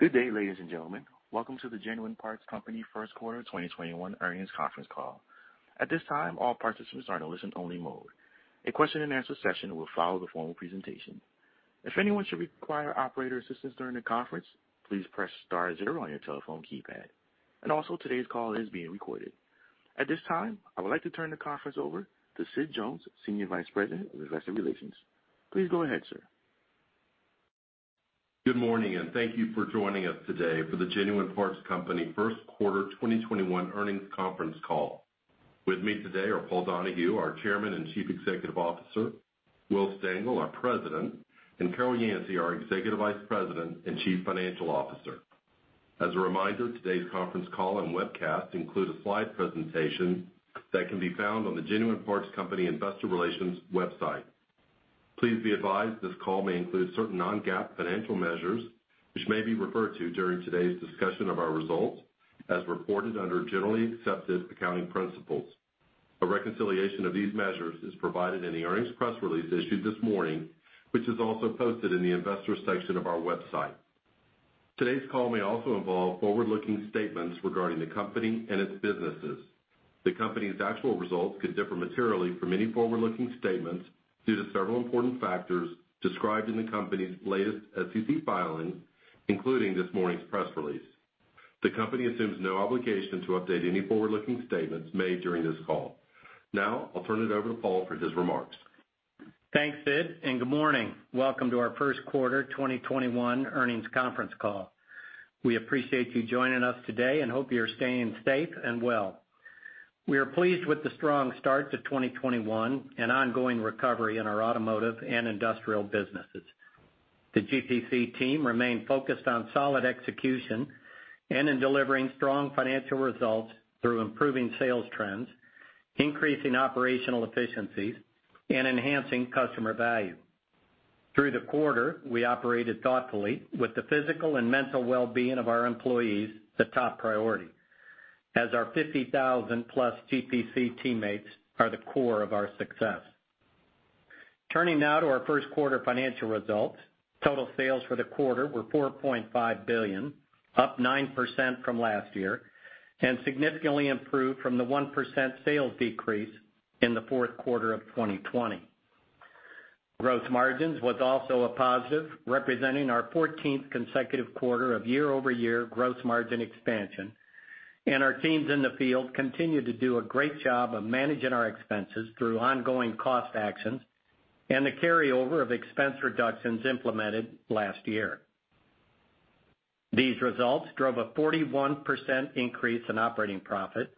Good day, ladies and gentlemen. Welcome to the Genuine Parts Company first quarter 2021 earnings conference call. At this time, all participants are in a listen-only mode. A question and answer session will follow the formal presentation. If anyone should require operator assistance during the conference, please press star zero on your telephone keypad. Also today's call is being recorded. At this time, I would like to turn the conference over to Sid Jones, Senior Vice President of Investor Relations. Please go ahead, sir Good morning, and thank you for joining us today for the Genuine Parts Company first quarter 2021 earnings conference call. With me today are Paul Donahue, our Chairman and Chief Executive Officer, Will Stengel, our President, and Carol Yancey, our Executive Vice President and Chief Financial Officer. As a reminder, today's conference call and webcast include a slide presentation that can be found on the Genuine Parts Company investor relations website. Please be advised this call may include certain non-GAAP financial measures, which may be referred to during today's discussion of our results as reported under generally accepted accounting principles. A reconciliation of these measures is provided in the earnings press release issued this morning, which is also posted in the investor section of our website. Today's call may also involve forward-looking statements regarding the company and its businesses. The company's actual results could differ materially from any forward-looking statements due to several important factors described in the company's latest SEC filing, including this morning's press release. The company assumes no obligation to update any forward-looking statements made during this call. Now, I'll turn it over to Paul for his remarks. Thanks, Sid. Good morning. Welcome to our first quarter 2021 earnings conference call. We appreciate you joining us today and hope you're staying safe and well. We are pleased with the strong start to 2021 and ongoing recovery in our automotive and industrial businesses. The GPC team remained focused on solid execution and in delivering strong financial results through improving sales trends, increasing operational efficiencies, and enhancing customer value. Through the quarter, we operated thoughtfully with the physical and mental wellbeing of our employees the top priority as our 50,000+ GPC teammates are the core of our success. Turning now to our first quarter financial results. Total sales for the quarter were $4.5 billion, up 9% from last year. Significantly improved from the 1% sales decrease in the fourth quarter of 2020. Gross margins was also a positive, representing our 14th consecutive quarter of year-over-year gross margin expansion. Our teams in the field continued to do a great job of managing our expenses through ongoing cost actions and the carryover of expense reductions implemented last year. These results drove a 41% increase in operating profit.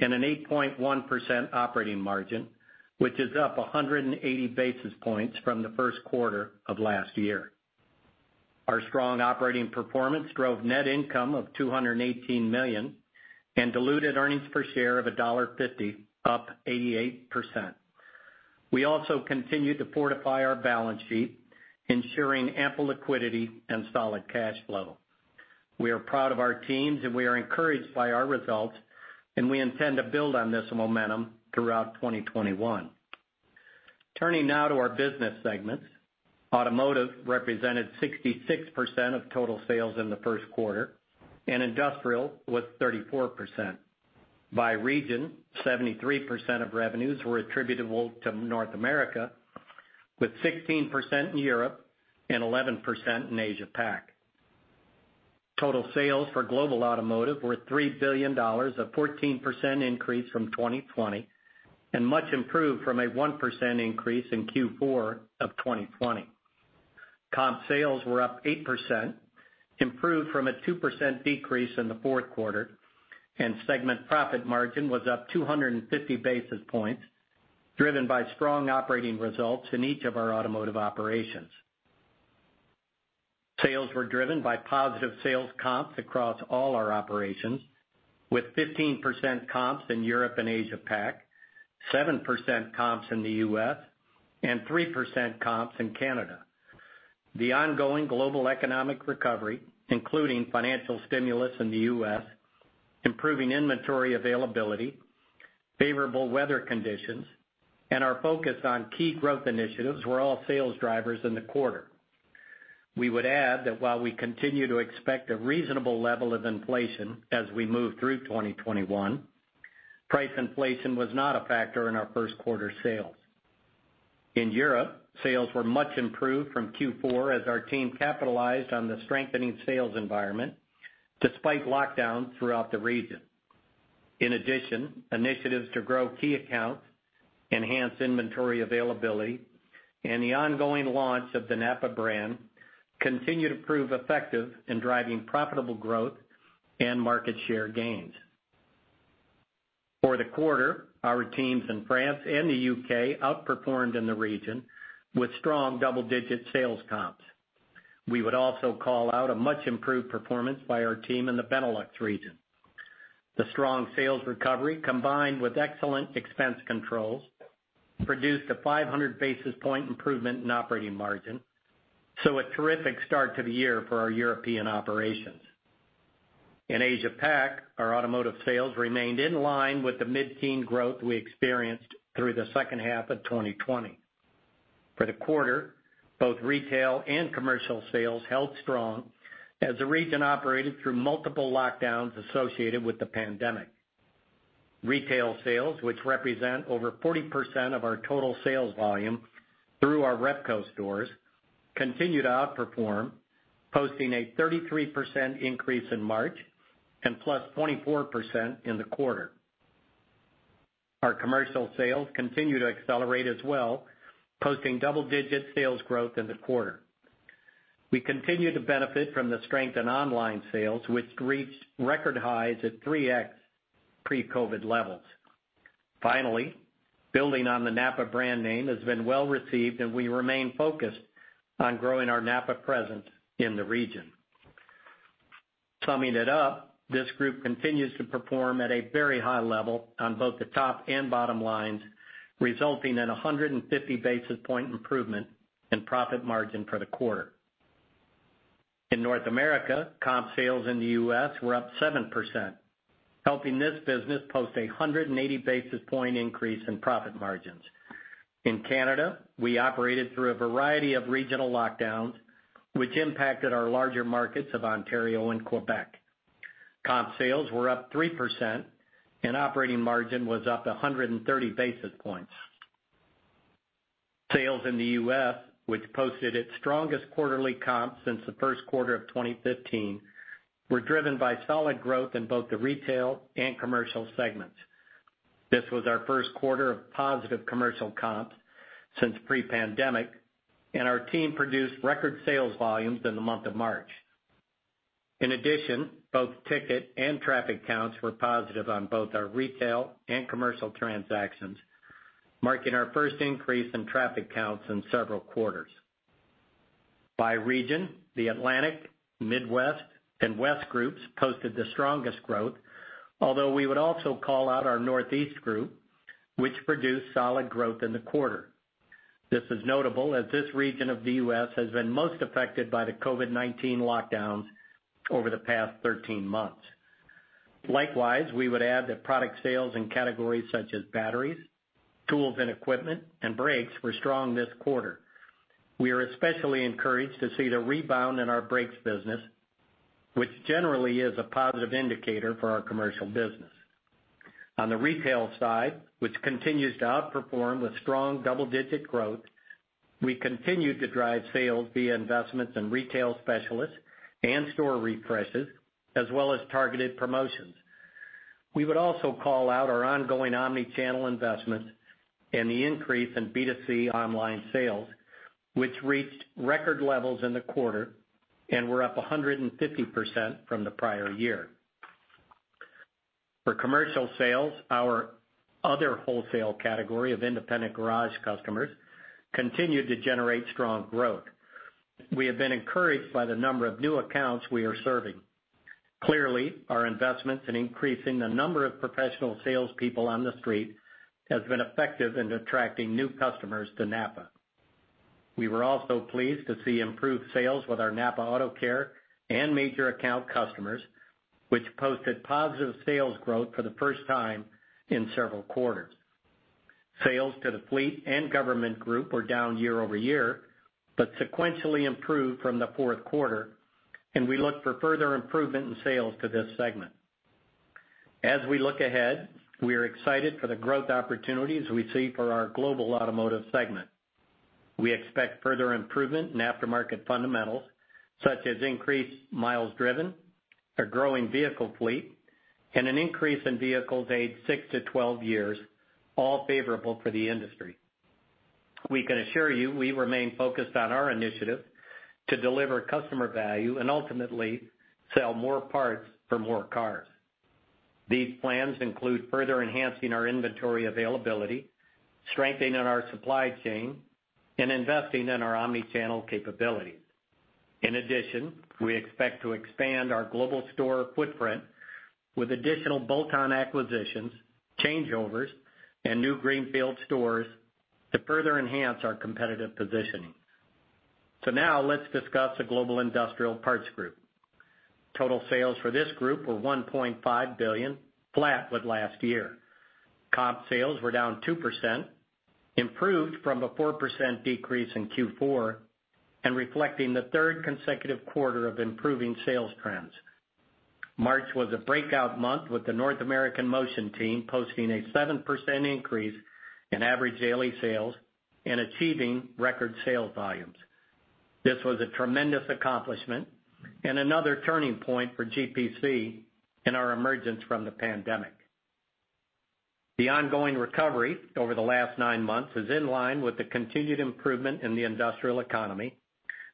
An 8.1% operating margin, which is up 180 basis points from the first quarter of last year. Our strong operating performance drove net income of $218 million. Diluted earnings per share of $1.50, up 88%. We also continued to fortify our balance sheet, ensuring ample liquidity and solid cash flow. We are proud of our teams. We are encouraged by our results. We intend to build on this momentum throughout 2021. Turning now to our business segments. Automotive represented 66% of total sales in the first quarter. Industrial was 34%. By region, 73% of revenues were attributable to North America, with 16% in Europe and 11% in Asia Pac. Total sales for global automotive were $3 billion, a 14% increase from 2020, and much improved from a 1% increase in Q4 of 2020. Comp sales were up 8%, improved from a 2% decrease in the fourth quarter, and segment profit margin was up 250 basis points, driven by strong operating results in each of our automotive operations. Sales were driven by positive sales comps across all our operations with 15% comps in Europe and Asia Pac, 7% comps in the U.S., and 3% comps in Canada. The ongoing global economic recovery, including financial stimulus in the U.S., improving inventory availability, favorable weather conditions, and our focus on key growth initiatives were all sales drivers in the quarter. We would add that while we continue to expect a reasonable level of inflation as we move through 2021, price inflation was not a factor in our first quarter sales. In Europe, sales were much improved from Q4 as our team capitalized on the strengthening sales environment despite lockdowns throughout the region. In addition, initiatives to grow key accounts, enhance inventory availability, and the ongoing launch of the NAPA brand continue to prove effective in driving profitable growth and market share gains. For the quarter, our teams in France and the U.K. outperformed in the region with strong double-digit sales comps. We would also call out a much-improved performance by our team in the Benelux region. The strong sales recovery, combined with excellent expense controls, produced a 500 basis point improvement in operating margin, a terrific start to the year for our European operations. In Asia Pac, our automotive sales remained in line with the mid-teen growth we experienced through the second half of 2020. For the quarter, both retail and commercial sales held strong as the region operated through multiple lockdowns associated with the pandemic. Retail sales, which represent over 40% of our total sales volume through our Repco stores, continue to outperform, posting a 33% increase in March and +24% in the quarter. Our commercial sales continue to accelerate as well, posting double-digit sales growth in the quarter. We continue to benefit from the strength in online sales, which reached record highs at 3x pre-COVID levels. Finally, building on the NAPA brand name has been well-received, and we remain focused on growing our NAPA presence in the region. Summing it up, this group continues to perform at a very high level on both the top and bottom lines, resulting in 150 basis point improvement in profit margin for the quarter. In North America, comp sales in the U.S. were up 7%, helping this business post 180 basis point increase in profit margins. In Canada, we operated through a variety of regional lockdowns, which impacted our larger markets of Ontario and Quebec. Comp sales were up 3% and operating margin was up 130 basis points. Sales in the U.S., which posted its strongest quarterly comp since the first quarter of 2015, were driven by solid growth in both the retail and commercial segments. This was our first quarter of positive commercial comps since pre-pandemic. Our team produced record sales volumes in the month of March. In addition, both ticket and traffic counts were positive on both our retail and commercial transactions, marking our first increase in traffic counts in several quarters. By region, the Atlantic, Midwest, and West groups posted the strongest growth, although we would also call out our Northeast group, which produced solid growth in the quarter. This is notable as this region of the U.S. has been most affected by the COVID-19 lockdowns over the past 13 months. Likewise, we would add that product sales in categories such as batteries, tools and equipment, and brakes were strong this quarter. We are especially encouraged to see the rebound in our brakes business, which generally is a positive indicator for our commercial business. On the retail side, which continues to outperform with strong double-digit growth, we continued to drive sales via investments in retail specialists and store refreshes, as well as targeted promotions. We would also call out our ongoing omni-channel investments and the increase in B2C online sales, which reached record levels in the quarter and were up 150% from the prior year. For commercial sales, our other wholesale category of independent garage customers continued to generate strong growth. We have been encouraged by the number of new accounts we are serving. Clearly, our investments in increasing the number of professional salespeople on the street has been effective in attracting new customers to NAPA. We were also pleased to see improved sales with our NAPA AutoCare and major account customers, which posted positive sales growth for the first time in several quarters. Sales to the fleet and government group were down year-over-year, but sequentially improved from the fourth quarter, and we look for further improvement in sales to this segment. As we look ahead, we are excited for the growth opportunities we see for our Global Automotive Segment. We expect further improvement in aftermarket fundamentals, such as increased miles driven, a growing vehicle fleet, and an increase in vehicles aged 6-12 years, all favorable for the industry. We can assure you, we remain focused on our initiative to deliver customer value and ultimately sell more parts for more cars. These plans include further enhancing our inventory availability, strengthening our supply chain, and investing in our omni-channel capabilities. In addition, we expect to expand our global store footprint with additional bolt-on acquisitions, changeovers, and new greenfield stores to further enhance our competitive positioning. Now let's discuss the Global Industrial Parts Group. Total sales for this group were $1.5 billion, flat with last year. Comp sales were down 2%, improved from a 4% decrease in Q4, and reflecting the third consecutive quarter of improving sales trends. March was a breakout month with the North American Motion team posting a 7% increase in average daily sales and achieving record sales volumes. This was a tremendous accomplishment and another turning point for GPC in our emergence from the pandemic. The ongoing recovery over the last nine months is in line with the continued improvement in the industrial economy,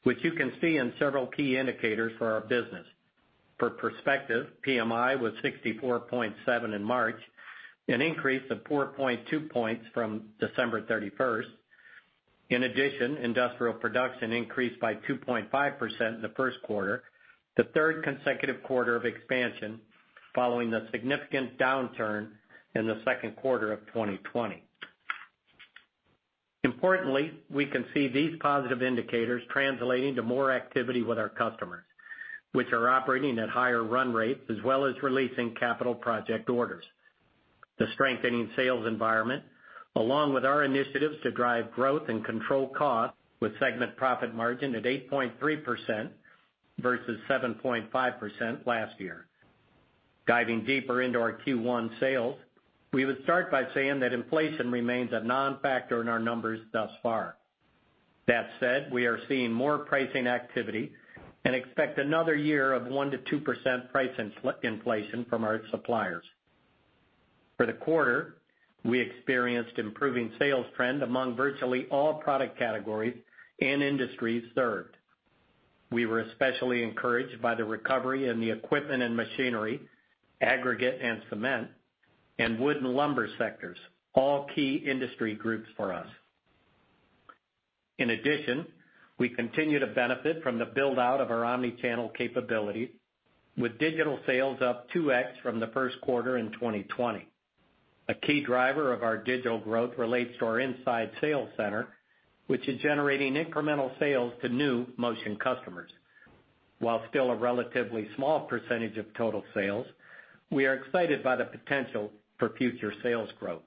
which you can see in several key indicators for our business. For perspective, PMI was 64.7 in March, an increase of 4.2 points from December 31st. In addition, industrial production increased by 2.5% in the first quarter, the third consecutive quarter of expansion following the significant downturn in the second quarter of 2020. Importantly, we can see these positive indicators translating to more activity with our customers, which are operating at higher run rates, as well as releasing capital project orders. The strengthening sales environment, along with our initiatives to drive growth and control cost, with segment profit margin at 8.3% versus 7.5% last year. Diving deeper into our Q1 sales, we would start by saying that inflation remains a non-factor in our numbers thus far. That said, we are seeing more pricing activity and expect another year of 1%-2% price inflation from our suppliers. For the quarter, we experienced improving sales trend among virtually all product categories and industries served. We were especially encouraged by the recovery in the equipment and machinery, aggregate and cement, and wood and lumber sectors, all key industry groups for us. In addition, we continue to benefit from the build-out of our omni-channel capabilities with digital sales up 2x from the first quarter in 2020. A key driver of our digital growth relates to our inside sales center, which is generating incremental sales to new Motion customers. While still a relatively small percentage of total sales, we are excited by the potential for future sales growth.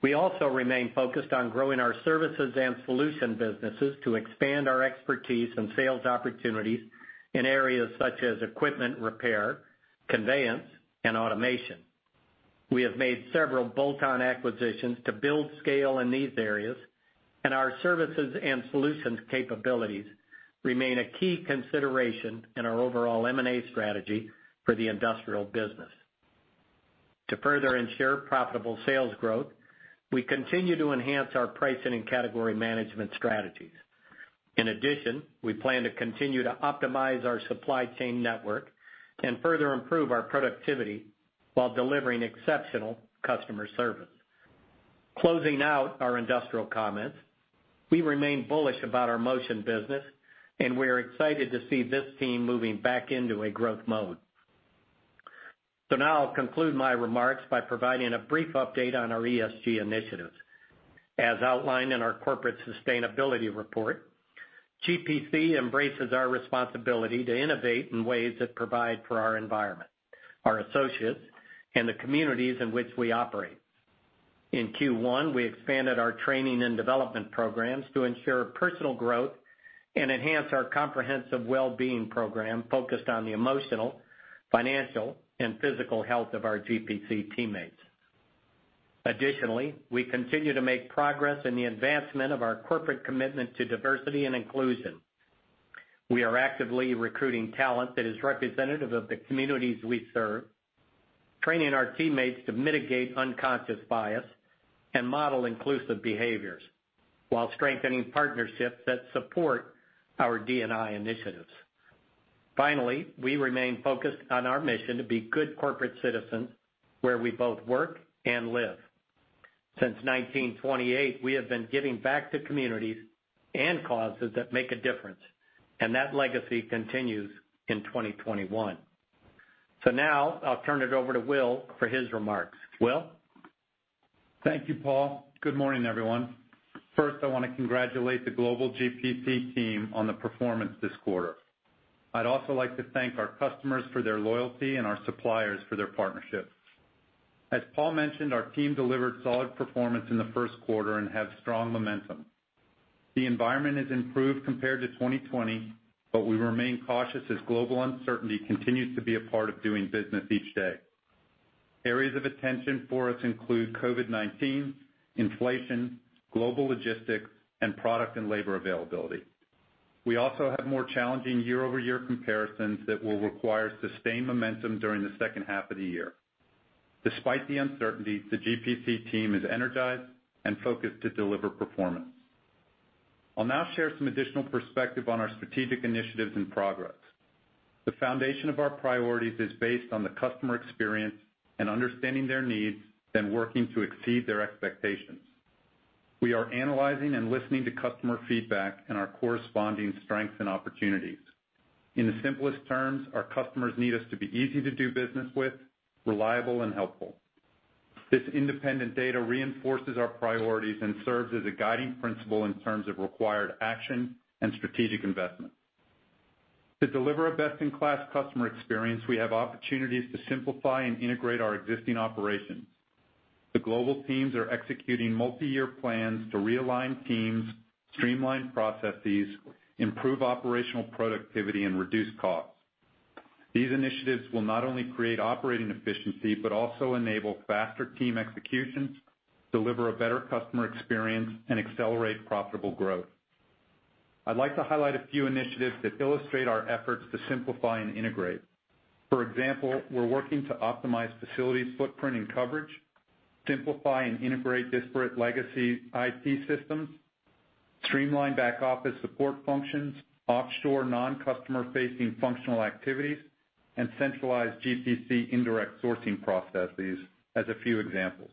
We also remain focused on growing our services and solution businesses to expand our expertise and sales opportunities in areas such as equipment repair, conveyance, and automation. We have made several bolt-on acquisitions to build scale in these areas, and our services and solutions capabilities remain a key consideration in our overall M&A strategy for the industrial business. To further ensure profitable sales growth, we continue to enhance our pricing and category management strategies. In addition, we plan to continue to optimize our supply chain network and further improve our productivity while delivering exceptional customer service. Closing out our industrial comments, we remain bullish about our Motion business, and we're excited to see this team moving back into a growth mode. Now I'll conclude my remarks by providing a brief update on our ESG initiatives. As outlined in our corporate sustainability report, GPC embraces our responsibility to innovate in ways that provide for our environment, our associates, and the communities in which we operate. In Q1, we expanded our training and development programs to ensure personal growth and enhance our comprehensive wellbeing program focused on the emotional, financial, and physical health of our GPC teammates. We continue to make progress in the advancement of our corporate commitment to diversity and inclusion. We are actively recruiting talent that is representative of the communities we serve, training our teammates to mitigate unconscious bias and model inclusive behaviors while strengthening partnerships that support our D&I initiatives. We remain focused on our mission to be good corporate citizens where we both work and live. Since 1928, we have been giving back to communities and causes that make a difference, that legacy continues in 2021. Now I'll turn it over to Will for his remarks. Will? Thank you, Paul. Good morning, everyone. First, I want to congratulate the global GPC team on the performance this quarter. I’d also like to thank our customers for their loyalty and our suppliers for their partnerships. As Paul mentioned, our team delivered solid performance in the first quarter and have strong momentum. The environment has improved compared to 2020, but we remain cautious as global uncertainty continues to be a part of doing business each day. Areas of attention for us include COVID-19, inflation, global logistics, and product and labor availability. We also have more challenging year-over-year comparisons that will require sustained momentum during the second half of the year. Despite the uncertainty, the GPC team is energized and focused to deliver performance. I’ll now share some additional perspective on our strategic initiatives and progress. The foundation of our priorities is based on the customer experience and understanding their needs, then working to exceed their expectations. We are analyzing and listening to customer feedback and our corresponding strengths and opportunities. In the simplest terms, our customers need us to be easy to do business with, reliable, and helpful. This independent data reinforces our priorities and serves as a guiding principle in terms of required action and strategic investment. To deliver a best-in-class customer experience, we have opportunities to simplify and integrate our existing operations. The global teams are executing multi-year plans to realign teams, streamline processes, improve operational productivity, and reduce costs. These initiatives will not only create operating efficiency, but also enable faster team executions, deliver a better customer experience, and accelerate profitable growth. I'd like to highlight a few initiatives that illustrate our efforts to simplify and integrate. For example, we're working to optimize facilities' footprint and coverage, simplify and integrate disparate legacy IT systems, streamline back office support functions, offshore non-customer facing functional activities, and centralize GPC indirect sourcing processes as a few examples.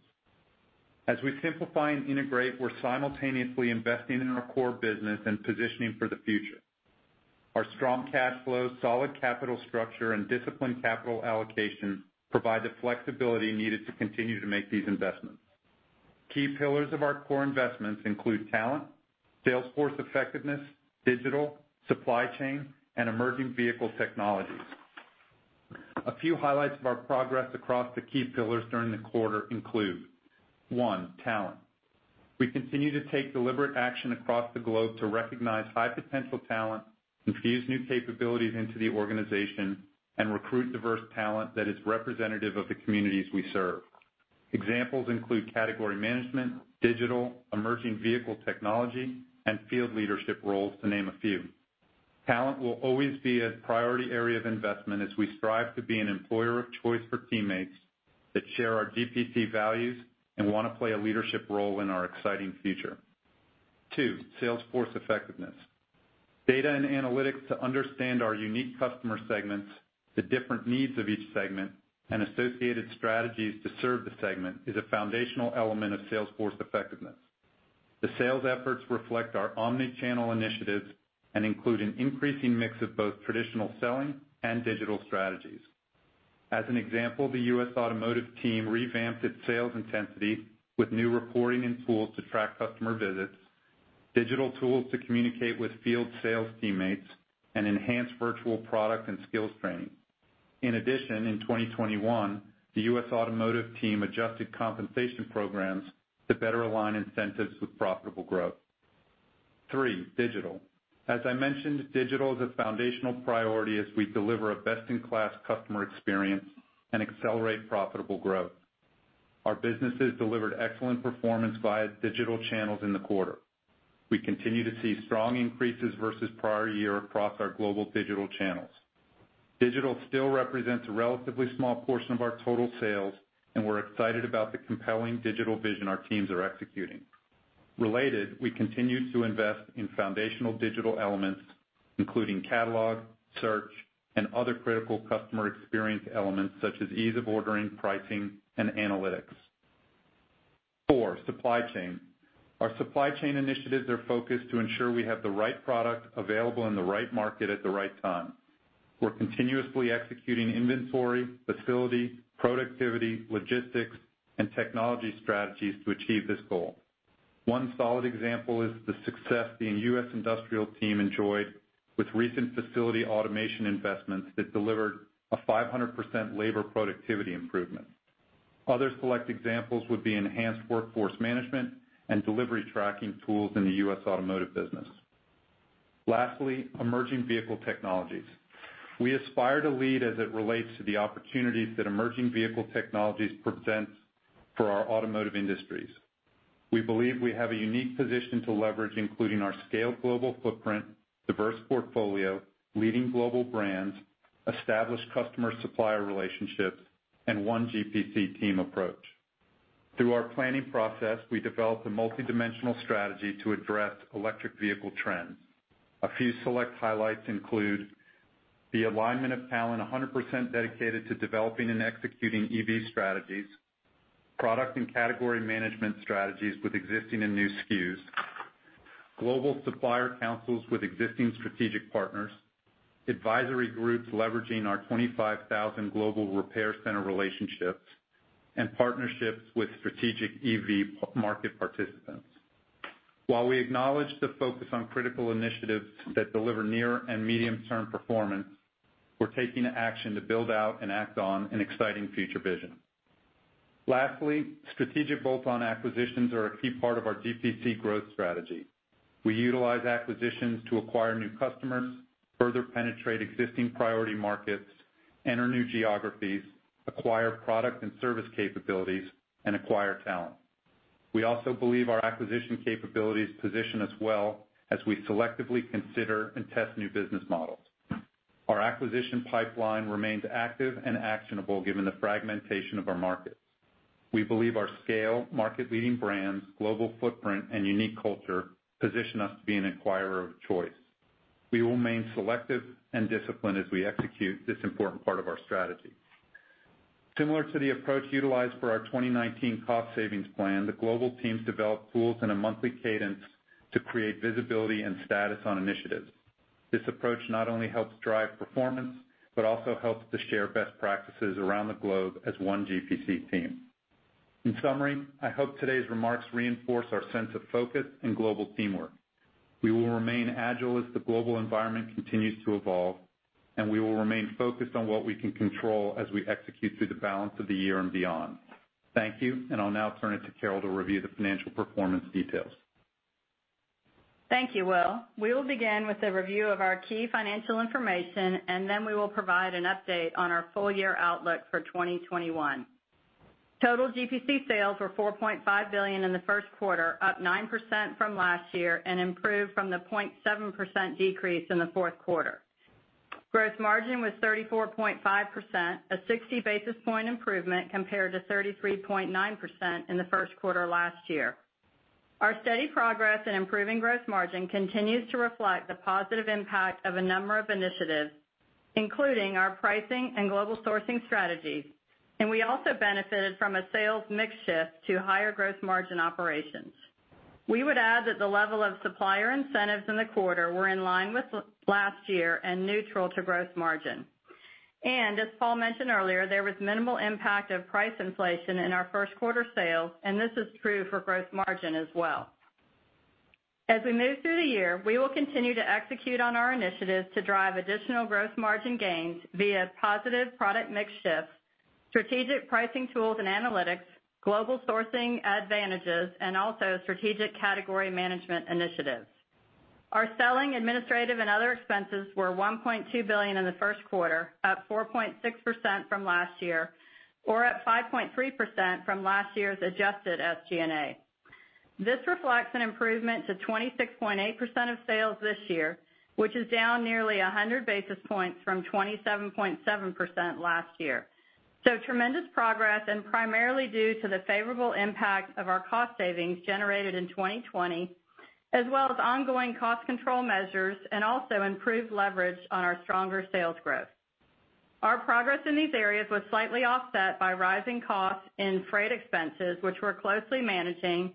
As we simplify and integrate, we're simultaneously investing in our core business and positioning for the future. Our strong cash flow, solid capital structure, and disciplined capital allocation provide the flexibility needed to continue to make these investments. Key pillars of our core investments include talent, sales force effectiveness, digital, supply chain, and emerging vehicle technologies. A few highlights of our progress across the key pillars during the quarter include, one, talent. We continue to take deliberate action across the globe to recognize high-potential talent, infuse new capabilities into the organization, and recruit diverse talent that is representative of the communities we serve. Examples include category management, digital, emerging vehicle technology, and field leadership roles, to name a few. Talent will always be a priority area of investment as we strive to be an employer of choice for teammates that share our GPC values and want to play a leadership role in our exciting future. Two, sales force effectiveness. Data and analytics to understand our unique customer segments, the different needs of each segment, and associated strategies to serve the segment, is a foundational element of sales force effectiveness. The sales efforts reflect our omni-channel initiatives and include an increasing mix of both traditional selling and digital strategies. As an example, the U.S. automotive team revamped its sales intensity with new reporting and tools to track customer visits, digital tools to communicate with field sales teammates, and enhance virtual product and skills training. In addition, in 2021, the U.S. automotive team adjusted compensation programs to better align incentives with profitable growth. Three, digital. As I mentioned, digital is a foundational priority as we deliver a best-in-class customer experience and accelerate profitable growth. Our businesses delivered excellent performance via digital channels in the quarter. We continue to see strong increases versus prior year across our global digital channels. Digital still represents a relatively small portion of our total sales, we're excited about the compelling digital vision our teams are executing. Related, we continue to invest in foundational digital elements, including catalog, search, and other critical customer experience elements such as ease of ordering, pricing, and analytics. Four, supply chain. Our supply chain initiatives are focused to ensure we have the right product available in the right market at the right time. We're continuously executing inventory, facility, productivity, logistics, and technology strategies to achieve this goal. One solid example is the success the U.S. industrial team enjoyed with recent facility automation investments that delivered a 500% labor productivity improvement. Other select examples would be enhanced workforce management and delivery tracking tools in the U.S. automotive business. Lastly, emerging vehicle technologies. We aspire to lead as it relates to the opportunities that emerging vehicle technologies present for our automotive industries. We believe we have a unique position to leverage, including our scaled global footprint, diverse portfolio, leading global brands, established customer supplier relationships, and one GPC team approach. Through our planning process, we developed a multidimensional strategy to address electric vehicle trends. A few select highlights include the alignment of talent 100% dedicated to developing and executing EV strategies, product and category management strategies with existing and new SKUs, global supplier councils with existing strategic partners, advisory groups leveraging our 25,000 global repair center relationships, and partnerships with strategic EV market participants. While we acknowledge the focus on critical initiatives that deliver near and medium-term performance, we're taking action to build out and act on an exciting future vision. Lastly, strategic bolt-on acquisitions are a key part of our GPC growth strategy. We utilize acquisitions to acquire new customers, further penetrate existing priority markets, enter new geographies, acquire product and service capabilities, and acquire talent. We also believe our acquisition capabilities position us well as we selectively consider and test new business models. Our acquisition pipeline remains active and actionable given the fragmentation of our markets. We believe our scale, market-leading brands, global footprint, and unique culture position us to be an acquirer of choice. We will remain selective and disciplined as we execute this important part of our strategy. Similar to the approach utilized for our 2019 cost savings plan, the global teams developed tools in a monthly cadence to create visibility and status on initiatives. This approach not only helps drive performance, but also helps to share best practices around the globe as one GPC team. In summary, I hope today's remarks reinforce our sense of focus and global teamwork. We will remain agile as the global environment continues to evolve, and we will remain focused on what we can control as we execute through the balance of the year and beyond. Thank you, and I'll now turn it to Carol to review the financial performance details. Thank you, Will. We will begin with a review of our key financial information, and then we will provide an update on our full year outlook for 2021. Total GPC sales were $4.5 billion in the first quarter, up 9% from last year, and improved from the 0.7% decrease in the fourth quarter. Gross margin was 34.5%, a 60 basis point improvement compared to 33.9% in the first quarter last year. Our steady progress in improving gross margin continues to reflect the positive impact of a number of initiatives, including our pricing and global sourcing strategies. We also benefited from a sales mix shift to higher gross margin operations. We would add that the level of supplier incentives in the quarter were in line with last year and neutral to gross margin. As Paul mentioned earlier, there was minimal impact of price inflation in our first quarter sales, and this is true for gross margin as well. As we move through the year, we will continue to execute on our initiatives to drive additional gross margin gains via positive product mix shifts, strategic pricing tools and analytics, global sourcing advantages, and also strategic category management initiatives. Our selling administrative and other expenses were $1.2 billion in the first quarter, up 4.6% from last year, or up 5.3% from last year's adjusted SG&A. This reflects an improvement to 26.8% of sales this year, which is down nearly 100 basis points from 27.7% last year. Tremendous progress, and primarily due to the favorable impact of our cost savings generated in 2020, as well as ongoing cost control measures, and also improved leverage on our stronger sales growth. Our progress in these areas was slightly offset by rising costs in freight expenses, which we're closely managing,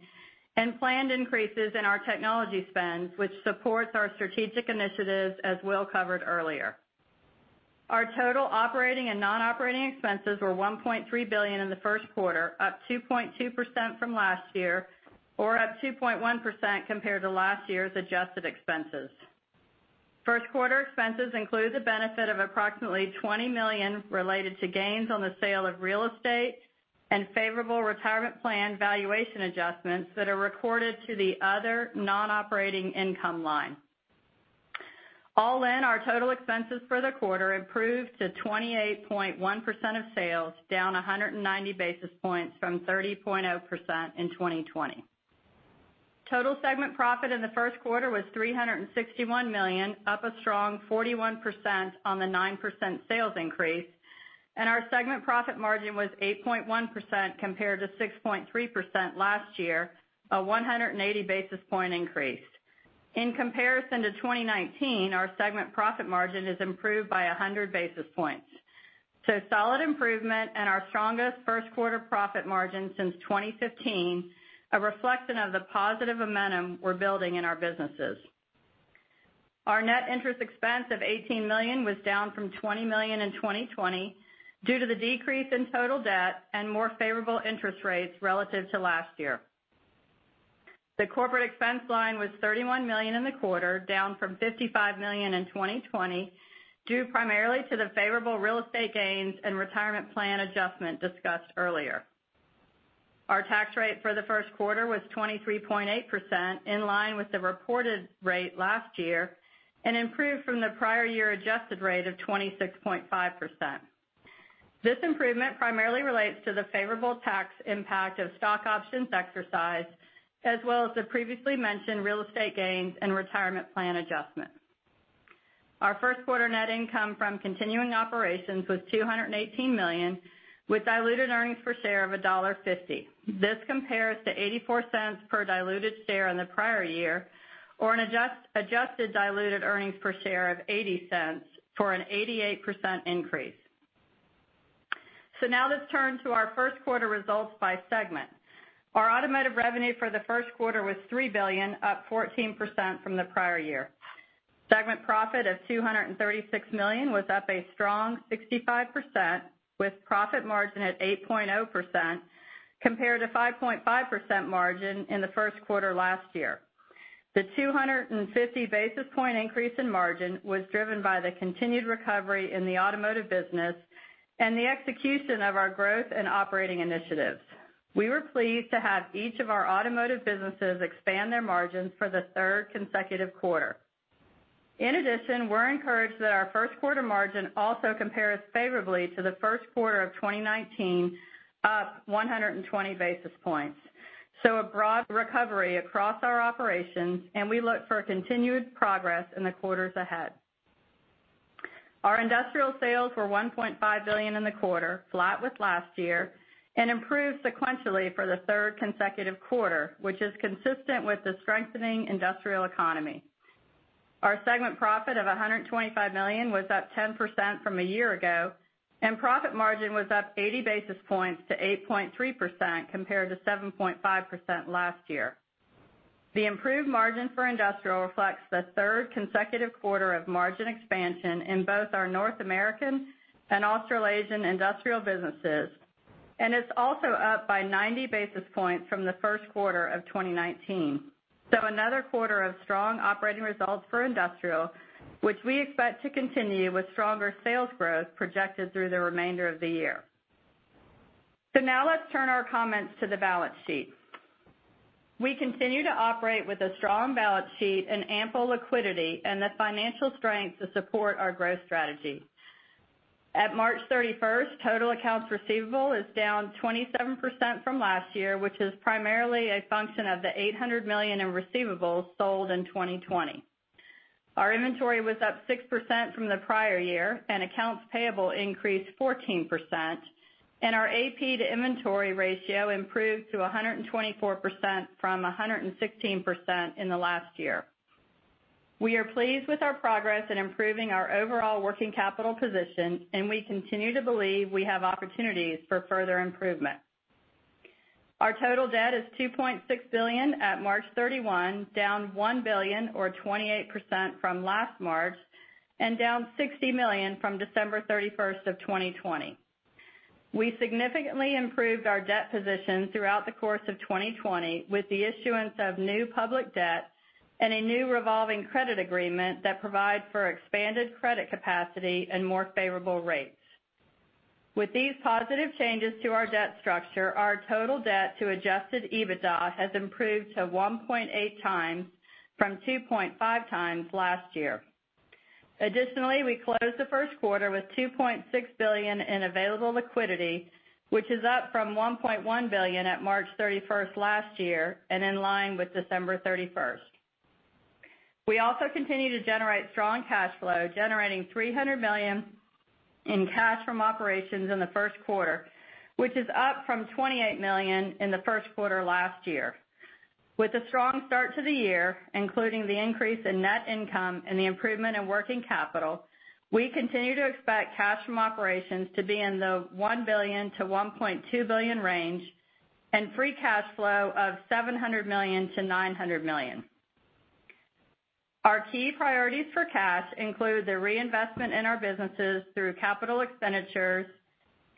and planned increases in our technology spends, which supports our strategic initiatives, as Will covered earlier. Our total operating and non-operating expenses were $1.3 billion in the first quarter, up 2.2% from last year, or up 2.1% compared to last year's adjusted expenses. First quarter expenses include the benefit of approximately $20 million related to gains on the sale of real estate and favorable retirement plan valuation adjustments that are recorded to the other non-operating income line. All in, our total expenses for the quarter improved to 28.1% of sales, down 190 basis points from 30.0% in 2020. Total segment profit in the first quarter was $361 million, up a strong 41% on the 9% sales increase, and our segment profit margin was 8.1% compared to 6.3% last year, a 180 basis point increase. In comparison to 2019, our segment profit margin is improved by 100 basis points. Solid improvement and our strongest first quarter profit margin since 2015, a reflection of the positive momentum we're building in our businesses. Our net interest expense of $18 million was down from $20 million in 2020 due to the decrease in total debt and more favorable interest rates relative to last year. The corporate expense line was $31 million in the quarter, down from $55 million in 2020, due primarily to the favorable real estate gains and retirement plan adjustment discussed earlier. Our tax rate for the first quarter was 23.8%, in line with the reported rate last year, and improved from the prior year adjusted rate of 26.5%. This improvement primarily relates to the favorable tax impact of stock options exercised, as well as the previously mentioned real estate gains and retirement plan adjustment. Our first quarter net income from continuing operations was $218 million, with diluted earnings per share of $1.50. This compares to $0.84 per diluted share in the prior year, or an adjusted diluted earnings per share of $0.80 for an 88% increase. Now let's turn to our first quarter results by segment. Our automotive revenue for the first quarter was $3 billion, up 14% from the prior year. Segment profit of $236 million was up a strong 65%, with profit margin at 8.0% compared to 5.5% margin in the first quarter last year. The 250 basis point increase in margin was driven by the continued recovery in the automotive business and the execution of our growth and operating initiatives. We were pleased to have each of our automotive businesses expand their margins for the third consecutive quarter. In addition, we're encouraged that our first quarter margin also compares favorably to the first quarter of 2019, up 120 basis points. A broad recovery across our operations, and we look for continued progress in the quarters ahead. Our industrial sales were $1.5 billion in the quarter, flat with last year, and improved sequentially for the third consecutive quarter, which is consistent with the strengthening industrial economy. Our segment profit of $125 million was up 10% from a year ago, and profit margin was up 80 basis points to 8.3% compared to 7.5% last year. The improved margin for industrial reflects the third consecutive quarter of margin expansion in both our North American and Australasian industrial businesses. It's also up by 90 basis points from the first quarter of 2019. Another quarter of strong operating results for industrial, which we expect to continue with stronger sales growth projected through the remainder of the year. Now let's turn our comments to the balance sheet. We continue to operate with a strong balance sheet and ample liquidity and the financial strength to support our growth strategy. At March 31st, total accounts receivable is down 27% from last year, which is primarily a function of the $800 million in receivables sold in 2020. Our inventory was up 6% from the prior year. Accounts payable increased 14%. Our AP to inventory ratio improved to 124% from 116% in the last year. We are pleased with our progress in improving our overall working capital position, and we continue to believe we have opportunities for further improvement. Our total debt is $2.6 billion at March 31, down $1 billion or 28% from last March, and down $60 million from December 31st of 2020. We significantly improved our debt position throughout the course of 2020 with the issuance of new public debt and a new revolving credit agreement that provide for expanded credit capacity and more favorable rates. With these positive changes to our debt structure, our total debt to adjusted EBITDA has improved to 1.8x from 2.5x last year. Additionally, we closed the first quarter with $2.6 billion in available liquidity, which is up from $1.1 billion at March 31st last year and in line with December 31st. We also continue to generate strong cash flow, generating $300 million in cash from operations in the first quarter, which is up from $28 million in the first quarter last year. With a strong start to the year, including the increase in net income and the improvement in working capital, we continue to expect cash from operations to be in the $1 billion-$1.2 billion range and free cash flow of $700 million-$900 million. Our key priorities for cash include the reinvestment in our businesses through capital expenditures,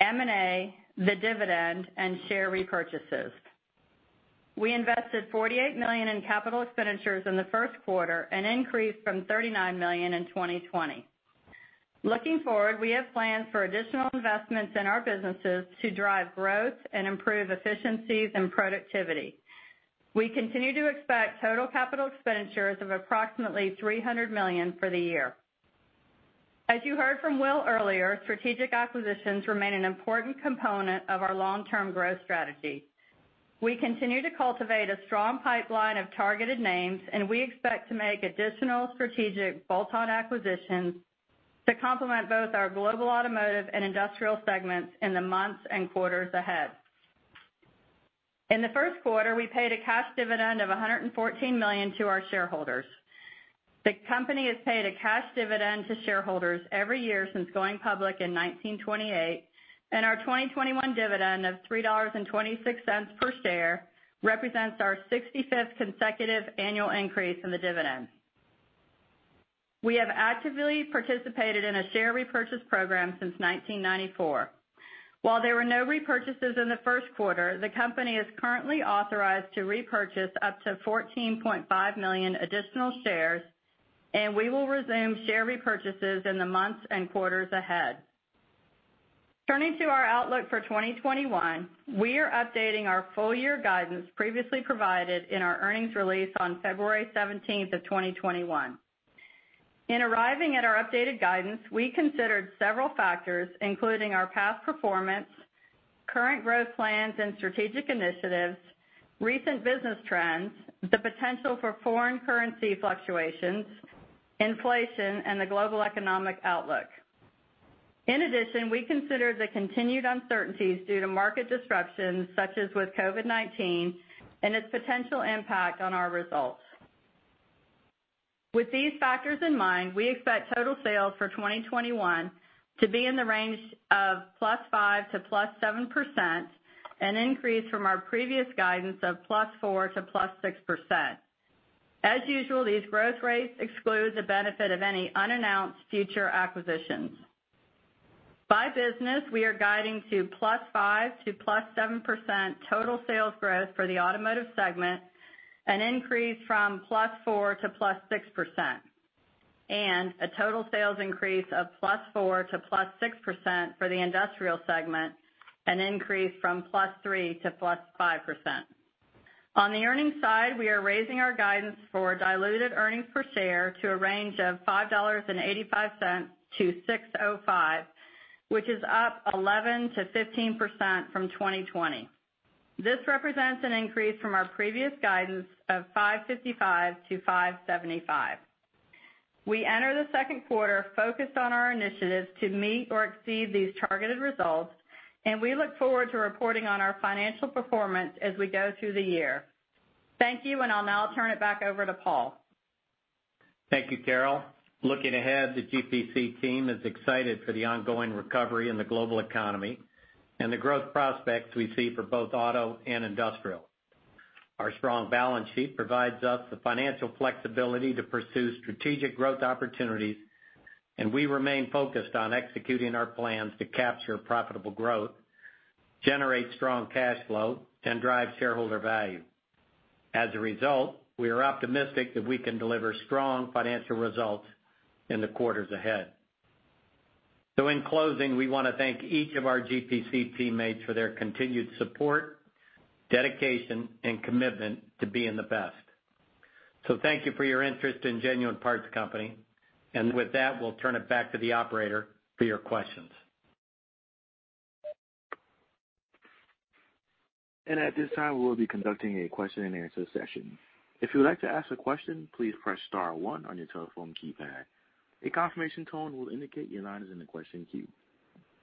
M&A, the dividend, and share repurchases. We invested $48 million in capital expenditures in the first quarter, an increase from $39 million in 2020. Looking forward, we have plans for additional investments in our businesses to drive growth and improve efficiencies and productivity. We continue to expect total capital expenditures of approximately $300 million for the year. As you heard from Will earlier, strategic acquisitions remain an important component of our long-term growth strategy. We continue to cultivate a strong pipeline of targeted names, and we expect to make additional strategic bolt-on acquisitions to complement both our global automotive and industrial segments in the months and quarters ahead. In the first quarter, we paid a cash dividend of $114 million to our shareholders. The company has paid a cash dividend to shareholders every year since going public in 1928, and our 2021 dividend of $3.26 per share represents our 65th consecutive annual increase in the dividend. We have actively participated in a share repurchase program since 1994. While there were no repurchases in the first quarter, the company is currently authorized to repurchase up to 14.5 million additional shares, and we will resume share repurchases in the months and quarters ahead. Turning to our outlook for 2021, we are updating our full year guidance previously provided in our earnings release on February 17, 2021. In arriving at our updated guidance, we considered several factors, including our past performance, current growth plans and strategic initiatives, recent business trends, the potential for foreign currency fluctuations, inflation, and the global economic outlook. In addition, we consider the continued uncertainties due to market disruptions, such as with COVID-19 and its potential impact on our results. With these factors in mind, we expect total sales for 2021 to be in the range of +5% to +7%, an increase from our previous guidance of +4% to +6%. As usual, these growth rates exclude the benefit of any unannounced future acquisitions. By business, we are guiding to +5% to +7% total sales growth for the automotive segment, an increase from +4% to +6%, and a total sales increase of +4% to +6% for the industrial segment, an increase from +3% to +5%. On the earnings side, we are raising our guidance for diluted earnings per share to a range of $5.85-$6.05, which is up 11%-15% from 2020. This represents an increase from our previous guidance of $5.55-$5.75. We enter the second quarter focused on our initiatives to meet or exceed these targeted results. We look forward to reporting on our financial performance as we go through the year. Thank you. I'll now turn it back over to Paul. Thank you, Carol. Looking ahead, the GPC team is excited for the ongoing recovery in the global economy and the growth prospects we see for both auto and industrial. Our strong balance sheet provides us the financial flexibility to pursue strategic growth opportunities, and we remain focused on executing our plans to capture profitable growth, generate strong cash flow, and drive shareholder value. As a result, we are optimistic that we can deliver strong financial results in the quarters ahead. In closing, we want to thank each of our GPC teammates for their continued support, dedication, and commitment to being the best. Thank you for your interest in Genuine Parts Company. With that, we'll turn it back to the Operator for your questions. At this time, we'll be conducting a question and answer session. If you would like to ask a question, please press star one on your telephone keypad. A confirmation tone will indicate your line is in the question queue.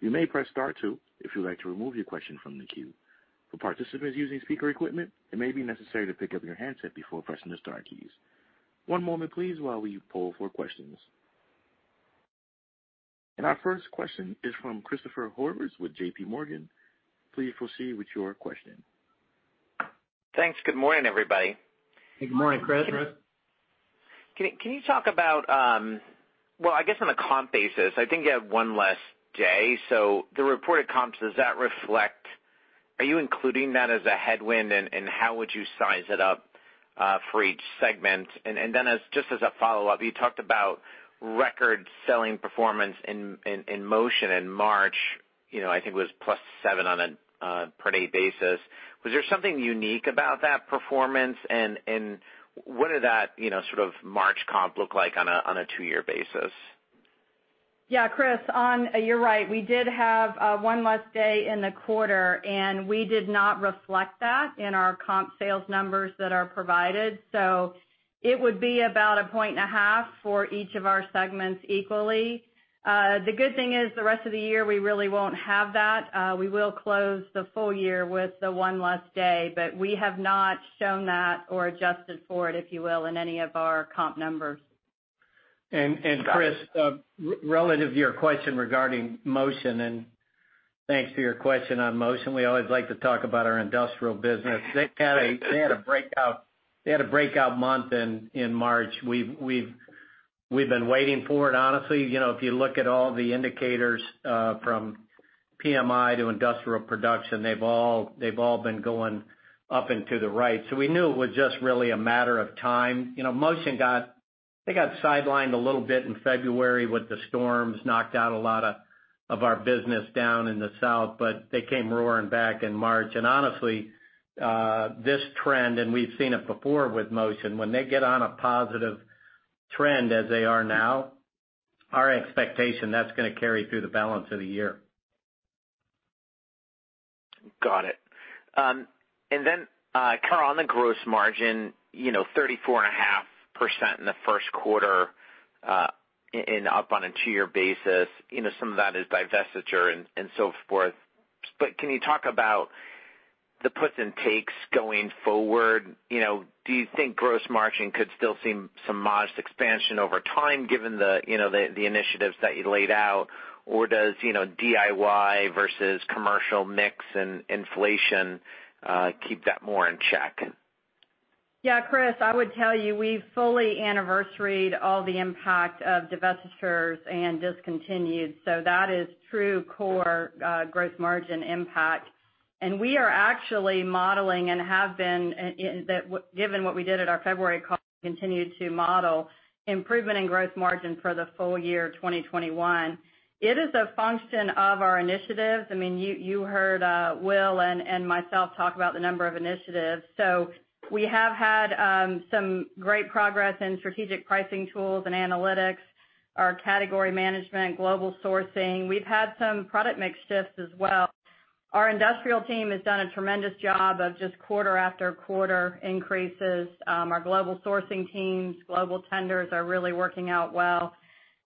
You may press star two if you'd like to remove your question from the queue. For participants using speaker equipment, it may be necessary to pick up your handset before pressing the star keys. One moment, please, while we poll for questions. Our first question is from Christopher Horvers with JPMorgan. Please proceed with your question. Thanks. Good morning, everybody. Good morning, Christopher. Can you talk about, well, I guess on a comp basis, I think you have one less day. The reported comps, are you including that as a headwind, how would you size it up for each segment? Just as a follow-up, you talked about record selling performance in Motion in March, I think it was plus seven on a per day basis. Was there something unique about that performance? What did that sort of March comp look like on a two-year basis? Yeah, Chris, you're right. We did have one less day in the quarter, and we did not reflect that in our comp sales numbers that are provided. It would be about a point and a half for each of our segments equally. The good thing is the rest of the year, we really won't have that. We will close the full year with the one less day, but we have not shown that or adjusted for it, if you will, in any of our comp numbers. Christopher, relative to your question regarding Motion, thanks for your question on Motion. We always like to talk about our industrial business. They had a breakout month in March. We've been waiting for it, honestly. If you look at all the indicators, from PMI to industrial production, they've all been going up and to the right. We knew it was just really a matter of time. Motion got sidelined a little bit in February with the storms, knocked out a lot of our business down in the south, but they came roaring back in March. Honestly, this trend, and we've seen it before with Motion, when they get on a positive trend as they are now, our expectation, that's going to carry through the balance of the year. Got it. Carol, on the gross margin, 34.5% in the first quarter, and up on a two-year basis. Some of that is divestiture and so forth. Can you talk about the puts and takes going forward? Do you think gross margin could still see some modest expansion over time given the initiatives that you laid out? Does DIY versus commercial mix and inflation keep that more in check? Yeah, Christopher, I would tell you, we've fully anniversaried all the impact of divestitures and discontinued. So that is true core gross margin impact. We are actually modeling and have been, given what we did at our February call, continue to model improvement in gross margin for the full year 2021. It is a function of our initiatives. You heard Will and myself talk about the number of initiatives. We have had some great progress in strategic pricing tools and analytics, our category management, global sourcing. We've had some product mix shifts as well. Our industrial team has done a tremendous job of just quarter after quarter increases. Our global sourcing teams, global tenders are really working out well.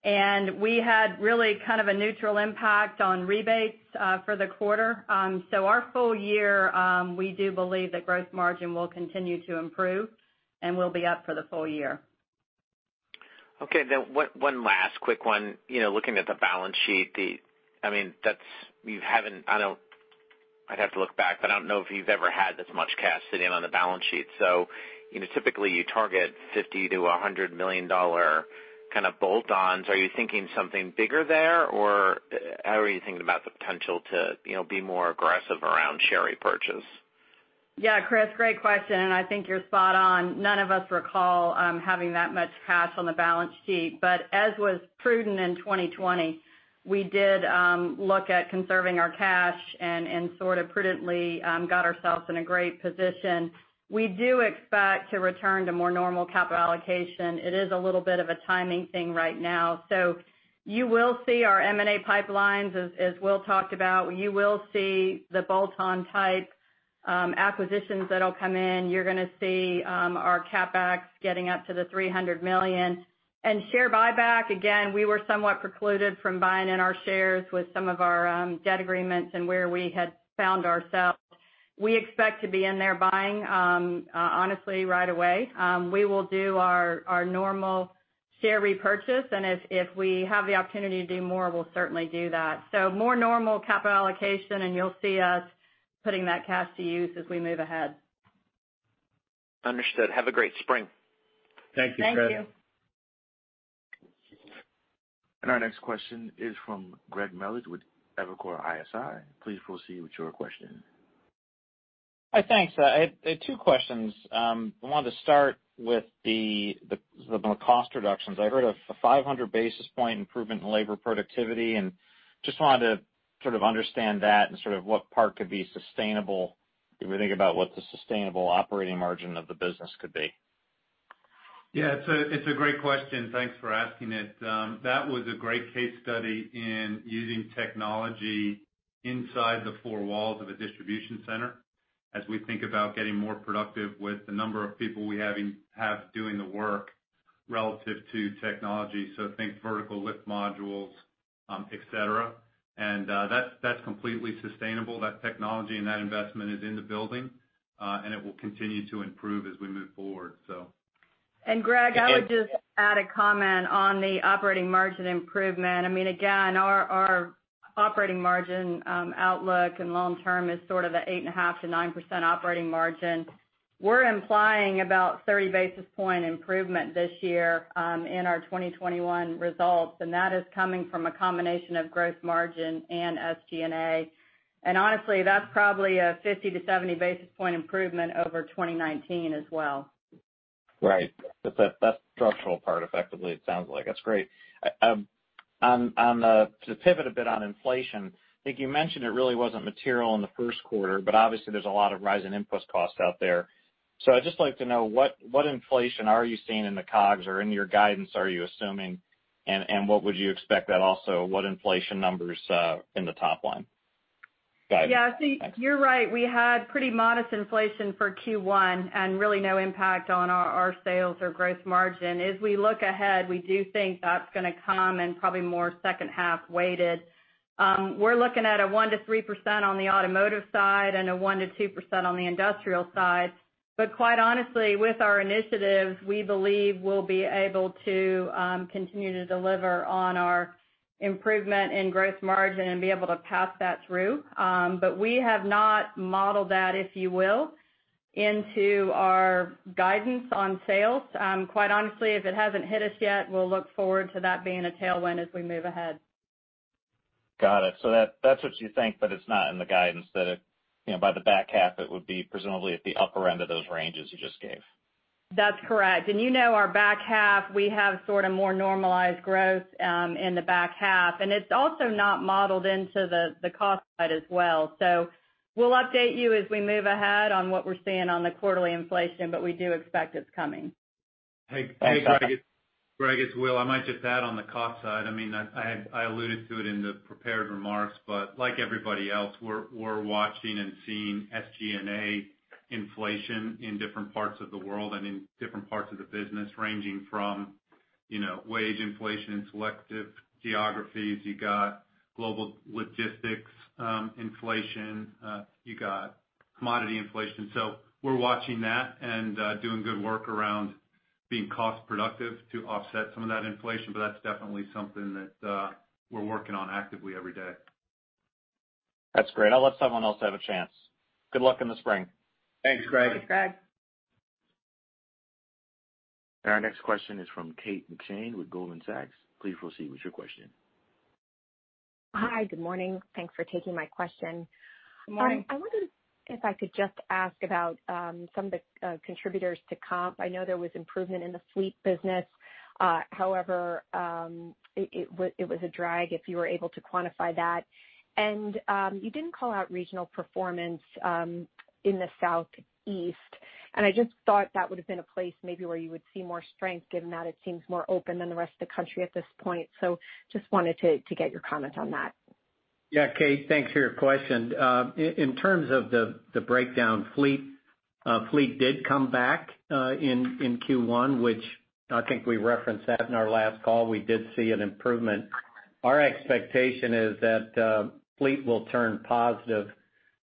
We had really kind of a neutral impact on rebates for the quarter. Our full year, we do believe that gross margin will continue to improve and will be up for the full year. Okay, one last quick one. Looking at the balance sheet, I'd have to look back. I don't know if you've ever had this much cash sitting on the balance sheet. Typically you target $50 million-$100 million kind of bolt-ons. Are you thinking something bigger there, or how are you thinking about the potential to be more aggressive around share repurchase? Yeah, Chris, great question, and I think you're spot on. None of us recall having that much cash on the balance sheet, but as was prudent in 2020, we did look at conserving our cash and sort of prudently got ourselves in a great position. We do expect to return to more normal capital allocation. It is a little bit of a timing thing right now. You will see our M&A pipelines, as Will talked about. You will see the bolt-on type acquisitions that'll come in. You're going to see our CapEx getting up to the $300 million. Share buyback, again, we were somewhat precluded from buying in our shares with some of our debt agreements and where we had found ourselves. We expect to be in there buying, honestly right away. We will do our normal share repurchase, and if we have the opportunity to do more, we'll certainly do that. More normal capital allocation, and you'll see us putting that cash to use as we move ahead. Understood. Have a great spring. Thank you, Chris. Thank you. Our next question is from Greg Melich with Evercore ISI. Please proceed with your question. Thanks. I have two questions. I wanted to start with the cost reductions. I heard of a 500 basis point improvement in labor productivity, and just wanted to sort of understand that and sort of what part could be sustainable if we think about what the sustainable operating margin of the business could be. Yeah, it's a great question. Thanks for asking it. That was a great case study in using technology inside the four walls of a distribution center, as we think about getting more productive with the number of people we have doing the work relative to technology, so think vertical lift modules, et cetera. That's completely sustainable. That technology and that investment is in the building, and it will continue to improve as we move forward. Greg, I would just add a comment on the operating margin improvement. Our operating margin outlook and long term is sort of the 8.5%-9% operating margin. We're implying about 30 basis point improvement this year in our 2021 results, that is coming from a combination of gross margin and SG&A. Honestly, that's probably a 50-70 basis point improvement over 2019 as well. Right. That's the structural part, effectively, it sounds like. That's great. To pivot a bit on inflation, I think you mentioned it really wasn't material in the first quarter. Obviously there's a lot of rising input costs out there. I'd just like to know what inflation are you seeing in the COGS or in your guidance are you assuming, and what would you expect that also, what inflation numbers in the top line guidance? Yeah, you're right. We had pretty modest inflation for Q1, and really no impact on our sales or gross margin. As we look ahead, we do think that's going to come and probably more second half weighted. We're looking at a 1%-3% on the automotive side and a 1%-2% on the industrial side. Quite honestly, with our initiatives, we believe we'll be able to continue to deliver on our improvement in gross margin and be able to pass that through. We have not modeled that, if you will, into our guidance on sales. Quite honestly, if it hasn't hit us yet, we'll look forward to that being a tailwind as we move ahead. Got it. That's what you think, but it's not in the guidance, that by the back half it would be presumably at the upper end of those ranges you just gave. That's correct. You know our back half, we have sort of more normalized growth in the back half. It's also not modeled into the cost side as well. We'll update you as we move ahead on what we're seeing on the quarterly inflation, but we do expect it's coming. Thanks, Audrey. Greg, it's Will. I might just add on the cost side, I alluded to it in the prepared remarks, but like everybody else, we're watching and seeing SG&A inflation in different parts of the world and in different parts of the business, ranging from wage inflation in selective geographies. You got global logistics inflation. You got commodity inflation. We're watching that and doing good work around being cost productive to offset some of that inflation, but that's definitely something that we're working on actively every day. That's great. I'll let someone else have a chance. Good luck in the spring. Thanks, Greg. Thanks, Greg. Our next question is from Kate McShane with Goldman Sachs. Please proceed with your question. Hi, good morning. Thanks for taking my question. Good morning. I wondered if I could just ask about some of the contributors to comp. I know there was improvement in the fleet business. However, it was a drag if you were able to quantify that. You didn't call out regional performance in the Southeast. I just thought that would've been a place maybe where you would see more strength, given that it seems more open than the rest of the country at this point. Just wanted to get your comment on that. Yeah, Kate, thanks for your question. In terms of the breakdown, fleet did come back in Q1, which I think we referenced that in our last call. We did see an improvement. Our expectation is that fleet will turn positive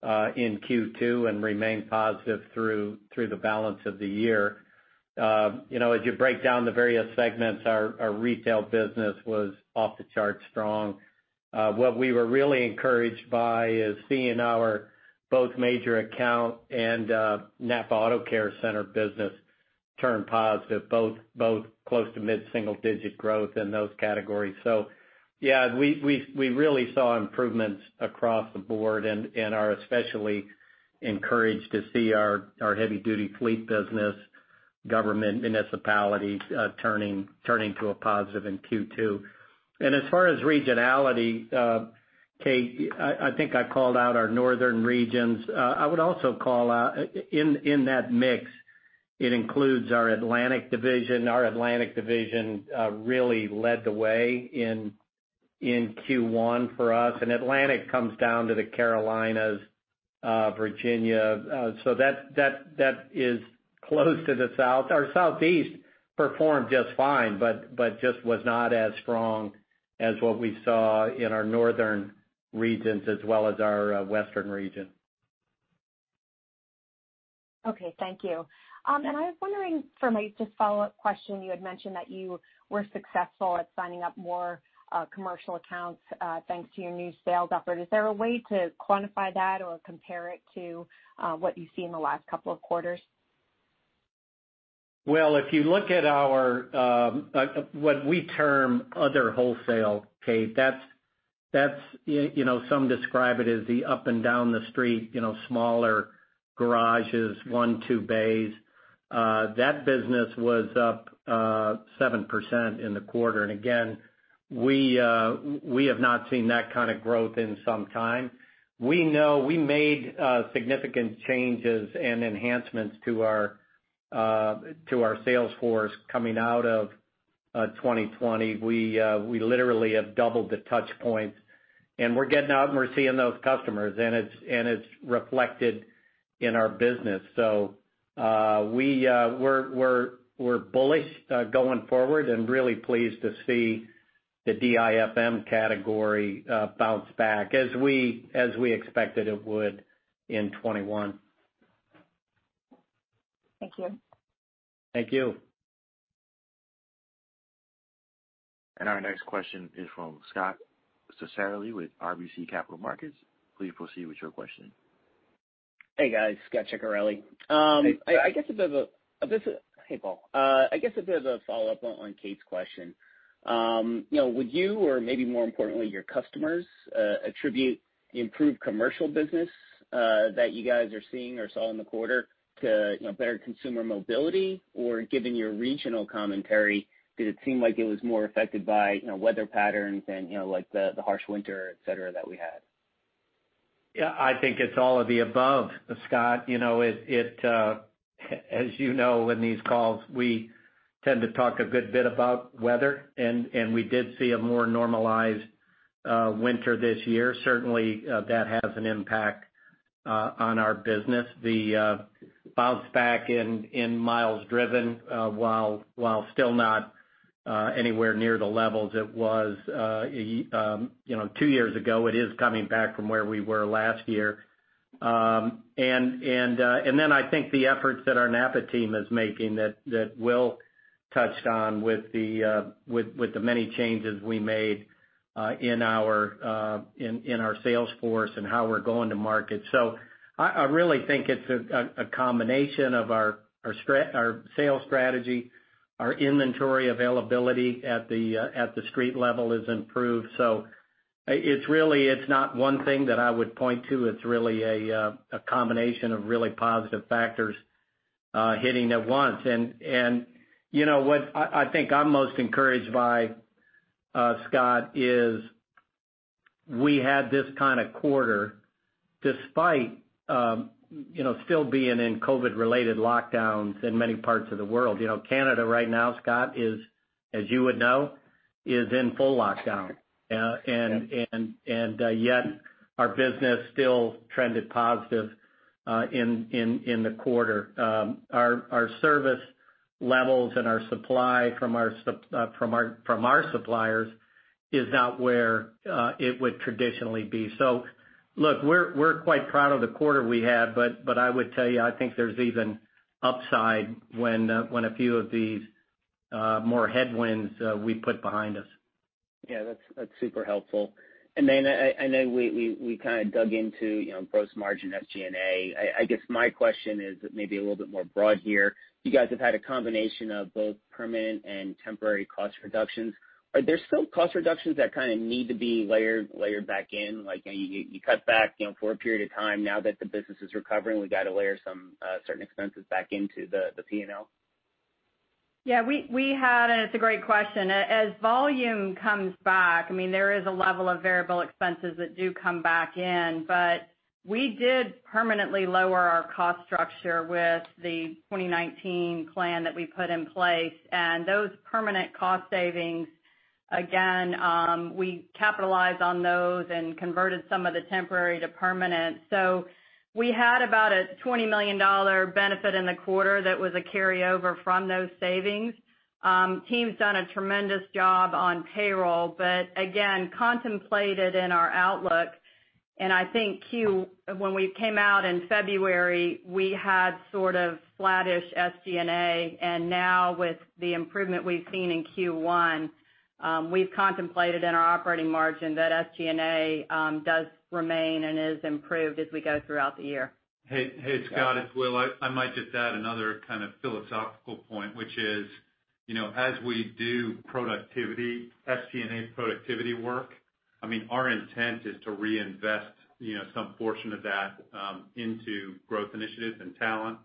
in Q2 and remain positive through the balance of the year. You break down the various segments, our retail business was off the charts strong. What we were really encouraged by is seeing our both major account and NAPA Auto Care Center business turn positive, both close to mid-single digit growth in those categories. Yeah, we really saw improvements across the board and are especially encouraged to see our heavy duty fleet business, government, municipalities turning to a positive in Q2. As far as regionality, Kate, I think I called out our northern regions. I would also call out in that mix, it includes our Atlantic division. Our Atlantic division really led the way in Q1 for us. Atlantic comes down to the Carolinas, Virginia, so that is close to the south. Our Southeast performed just fine, but just was not as strong as what we saw in our northern regions as well as our western region. Okay, thank you. I was wondering for my just follow-up question, you had mentioned that you were successful at signing up more commercial accounts thanks to your new sales effort. Is there a way to quantify that or compare it to what you've seen the last couple of quarters? Well, if you look at what we term other wholesale, Kate, some describe it as the up and down the street, smaller garages, one, two bays. That business was up 7% in the quarter. Again, we have not seen that kind of growth in some time. We know we made significant changes and enhancements to our sales force coming out of 2020. We literally have doubled the touch points, and we're getting out and we're seeing those customers, and it's reflected in our business. We're bullish going forward and really pleased to see the DIFM category bounce back, as we expected it would in 2021. Thank you. Thank you. Our next question is from Scot Ciccarelli with RBC Capital Markets. Please proceed with your question. Hey, guys. Scot Ciccarelli. Hey, Scot. Hey, Paul. I guess a bit of a follow-up on Kate's question. Would you or maybe more importantly, your customers, attribute the improved commercial business that you guys are seeing or saw in the quarter to better consumer mobility, or given your regional commentary, did it seem like it was more affected by weather patterns and like the harsh winter, et cetera, that we had? Yeah, I think it's all of the above, Scot. As you know, in these calls, we tend to talk a good bit about weather. We did see a more normalized winter this year. Certainly, that has an impact on our business. The bounce back in miles driven, while still not anywhere near the levels it was two years ago, it is coming back from where we were last year. I think the efforts that our NAPA team is making, that Will Stengel touched on with the many changes we made in our sales force and how we're going to market. I really think it's a combination of our sales strategy, our inventory availability at the street level is improved. It's not one thing that I would point to. It's really a combination of really positive factors hitting at once. What I think I'm most encouraged by, Scot, is we had this kind of quarter despite still being in COVID-19-related lockdowns in many parts of the world. Canada right now, Scot, as you would know, is in full lockdown. Yeah. Yet our business still trended positive in the quarter. Our service levels and our supply from our suppliers is not where it would traditionally be. Look, we're quite proud of the quarter we had, but I would tell you, I think there's even upside when a few of these more headwinds we put behind us. Yeah, that's super helpful. I know we kind of dug into gross margin SG&A. I guess my question is maybe a little bit more broad here. You guys have had a combination of both permanent and temporary cost reductions. Are there still cost reductions that kind of need to be layered back in? Like, you cut back for a period of time, now that the business is recovering, we've got to layer some certain expenses back into the P&L? Yeah. It's a great question. As volume comes back, there is a level of variable expenses that do come back in, but we did permanently lower our cost structure with the 2019 plan that we put in place, and those permanent cost savings, again, we capitalized on those and converted some of the temporary to permanent. We had about a $20 million benefit in the quarter that was a carryover from those savings. Team's done a tremendous job on payroll, but again, contemplated in our outlook, and I think when we came out in February, we had sort of flattish SG&A, and now with the improvement we've seen in Q1, we've contemplated in our operating margin that SG&A does remain and is improved as we go throughout the year. Hey, Scot, it's Will. I might just add another kind of philosophical point, which is, as we do SG&A productivity work, our intent is to reinvest some portion of that into growth initiatives and talent,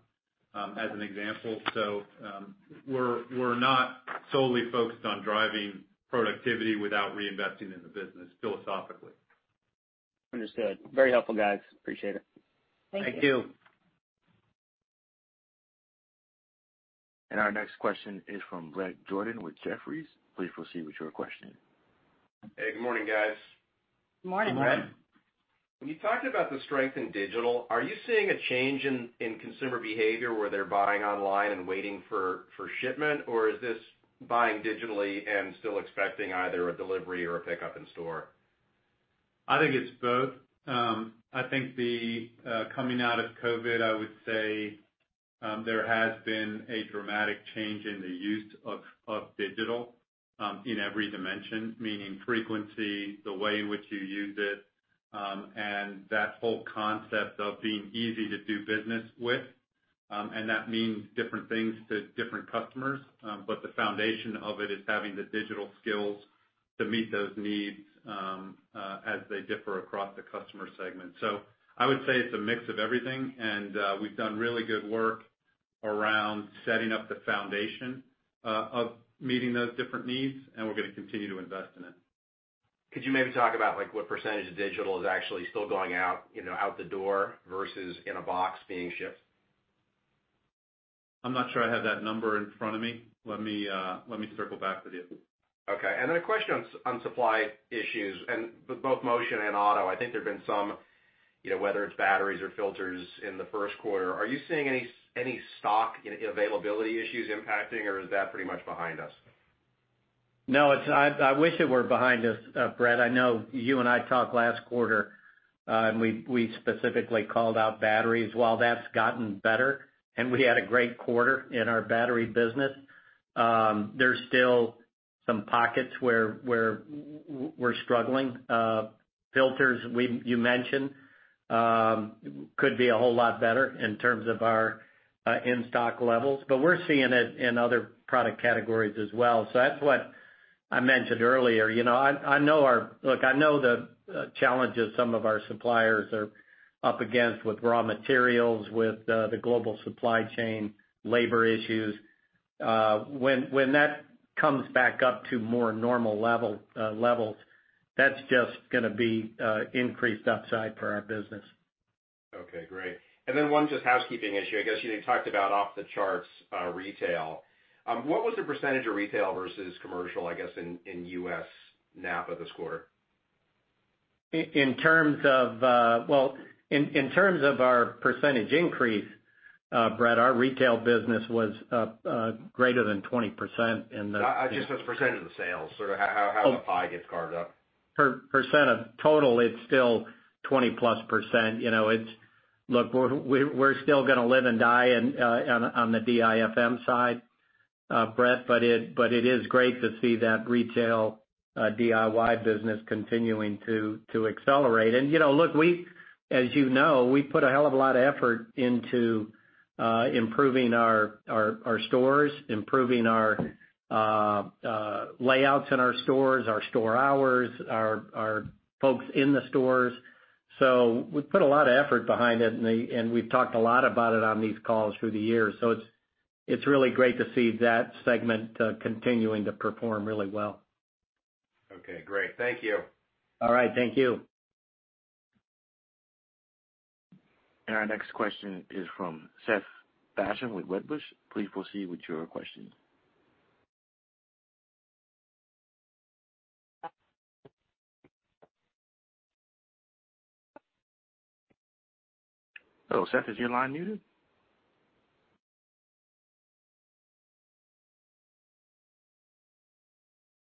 as an example. We're not solely focused on driving productivity without reinvesting in the business philosophically. Understood. Very helpful, guys. Appreciate it. Thank you. Thank you. Our next question is from Bret Jordan with Jefferies. Please proceed with your question. Hey, good morning, guys. Good morning. Good morning. Good morning. When you talked about the strength in digital, are you seeing a change in consumer behavior where they're buying online and waiting for shipment, or is this buying digitally and still expecting either a delivery or a pickup in store? I think it's both. I think coming out of COVID, I would say, there has been a dramatic change in the use of digital in every dimension, meaning frequency, the way in which you use it, and that whole concept of being easy to do business with. That means different things to different customers. The foundation of it is having the digital skills to meet those needs. As they differ across the customer segment. I would say it's a mix of everything, and we've done really good work around setting up the foundation of meeting those different needs, and we're going to continue to invest in it. Could you maybe talk about what percent of digital is actually still going out the door versus in a box being shipped? I'm not sure I have that number in front of me. Let me circle back with you. Okay. A question on supply issues and with both Motion and Auto. I think there have been some, whether it's batteries or filters in the first quarter. Are you seeing any stock availability issues impacting, or is that pretty much behind us? No, I wish it were behind us, Bret. I know you and I talked last quarter, we specifically called out batteries. While that's gotten better and we had a great quarter in our battery business, there's still some pockets where we're struggling. Filters, you mentioned could be a whole lot better in terms of our in-stock levels, we're seeing it in other product categories as well. That's what I mentioned earlier. Look, I know the challenges some of our suppliers are up against with raw materials, with the global supply chain, labor issues. When that comes back up to more normal levels, that's just going to be increased upside for our business. Okay, great. Then one just housekeeping issue. I guess you talked about off-the-charts retail. What was the percentage of retail versus commercial, I guess, in U.S. NAPA this quarter? In terms of our percentage increase, Bret, our retail business was up greater than 20%. Just as a percent of the sales, sort of how the pie gets carved up. Percent of total, it's still 20%+. Look, we're still going to live and die on the DIFM side, Bret, but it is great to see that retail DIY business continuing to accelerate. Look, as you know, we put a hell of a lot of effort into improving our stores, improving our layouts in our stores, our store hours, our folks in the stores. We put a lot of effort behind it, and we've talked a lot about it on these calls through the years. It's really great to see that segment continuing to perform really well. Okay, great. Thank you. All right, thank you. Our next question is from Seth Basham with Wedbush. Please proceed with your question. Hello, Seth, is your line muted?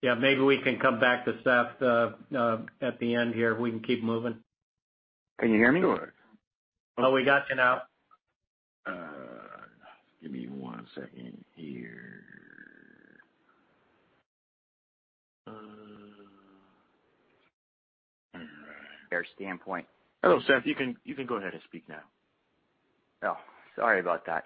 Yeah, maybe we can come back to Seth at the end here if we can keep moving. Can you hear me? Oh, we got you now. Give me one second here. All right. Their standpoint. Hello, Seth. You can go ahead and speak now. Oh, sorry about that.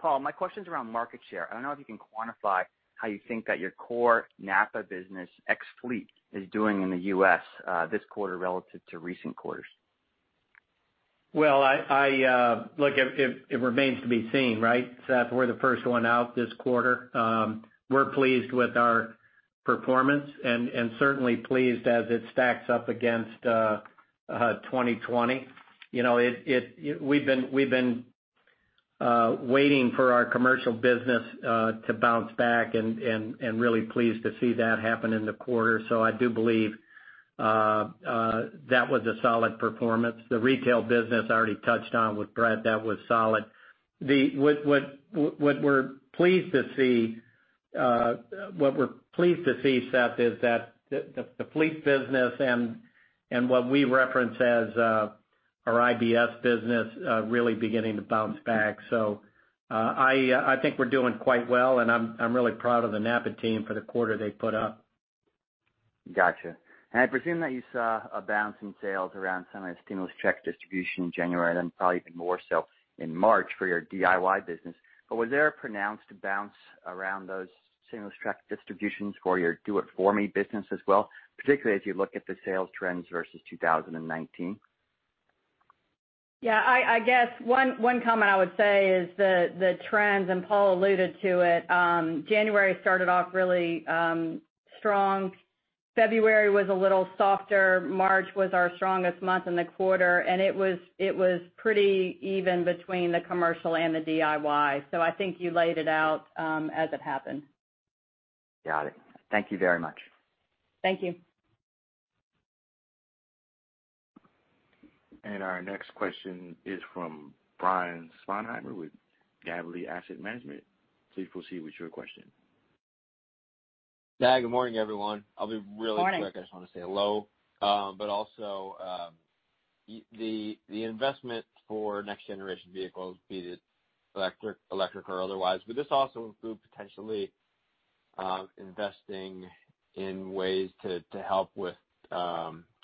Paul, my question's around market share. I don't know if you can quantify how you think that your core NAPA business ex fleet is doing in the U.S. this quarter relative to recent quarters. Look, it remains to be seen, right, Seth? We're the first one out this quarter. We're pleased with our performance and certainly pleased as it stacks up against 2020. We've been waiting for our commercial business to bounce back, and really pleased to see that happen in the quarter. I do believe that was a solid performance. The retail business, I already touched on with Bret. That was solid. What we're pleased to see, Seth, is that the fleet business and what we reference as our IBS business really beginning to bounce back. I think we're doing quite well, and I'm really proud of the NAPA team for the quarter they put up. Got you. I presume that you saw a bounce in sales around some of the stimulus check distribution in January, then probably even more so in March for your DIY business. Was there a pronounced bounce around those stimulus check distributions for your do it for me business as well, particularly as you look at the sales trends versus 2019? Yeah, I guess one comment I would say is the trends, and Paul alluded to it. January started off really strong. February was a little softer. March was our strongest month in the quarter, and it was pretty even between the commercial and the DIY. I think you laid it out as it happened. Got it. Thank Thank you very much. Thank you. Our next question is from Brian Sponheimer with GAMCO Investors, Inc. Please proceed with your question. Yeah, good morning, everyone. Morning. I'll be really quick. I just want to say hello. Also, the investment for next-generation vehicles, be it electric or otherwise, would this also include potentially investing in ways to help with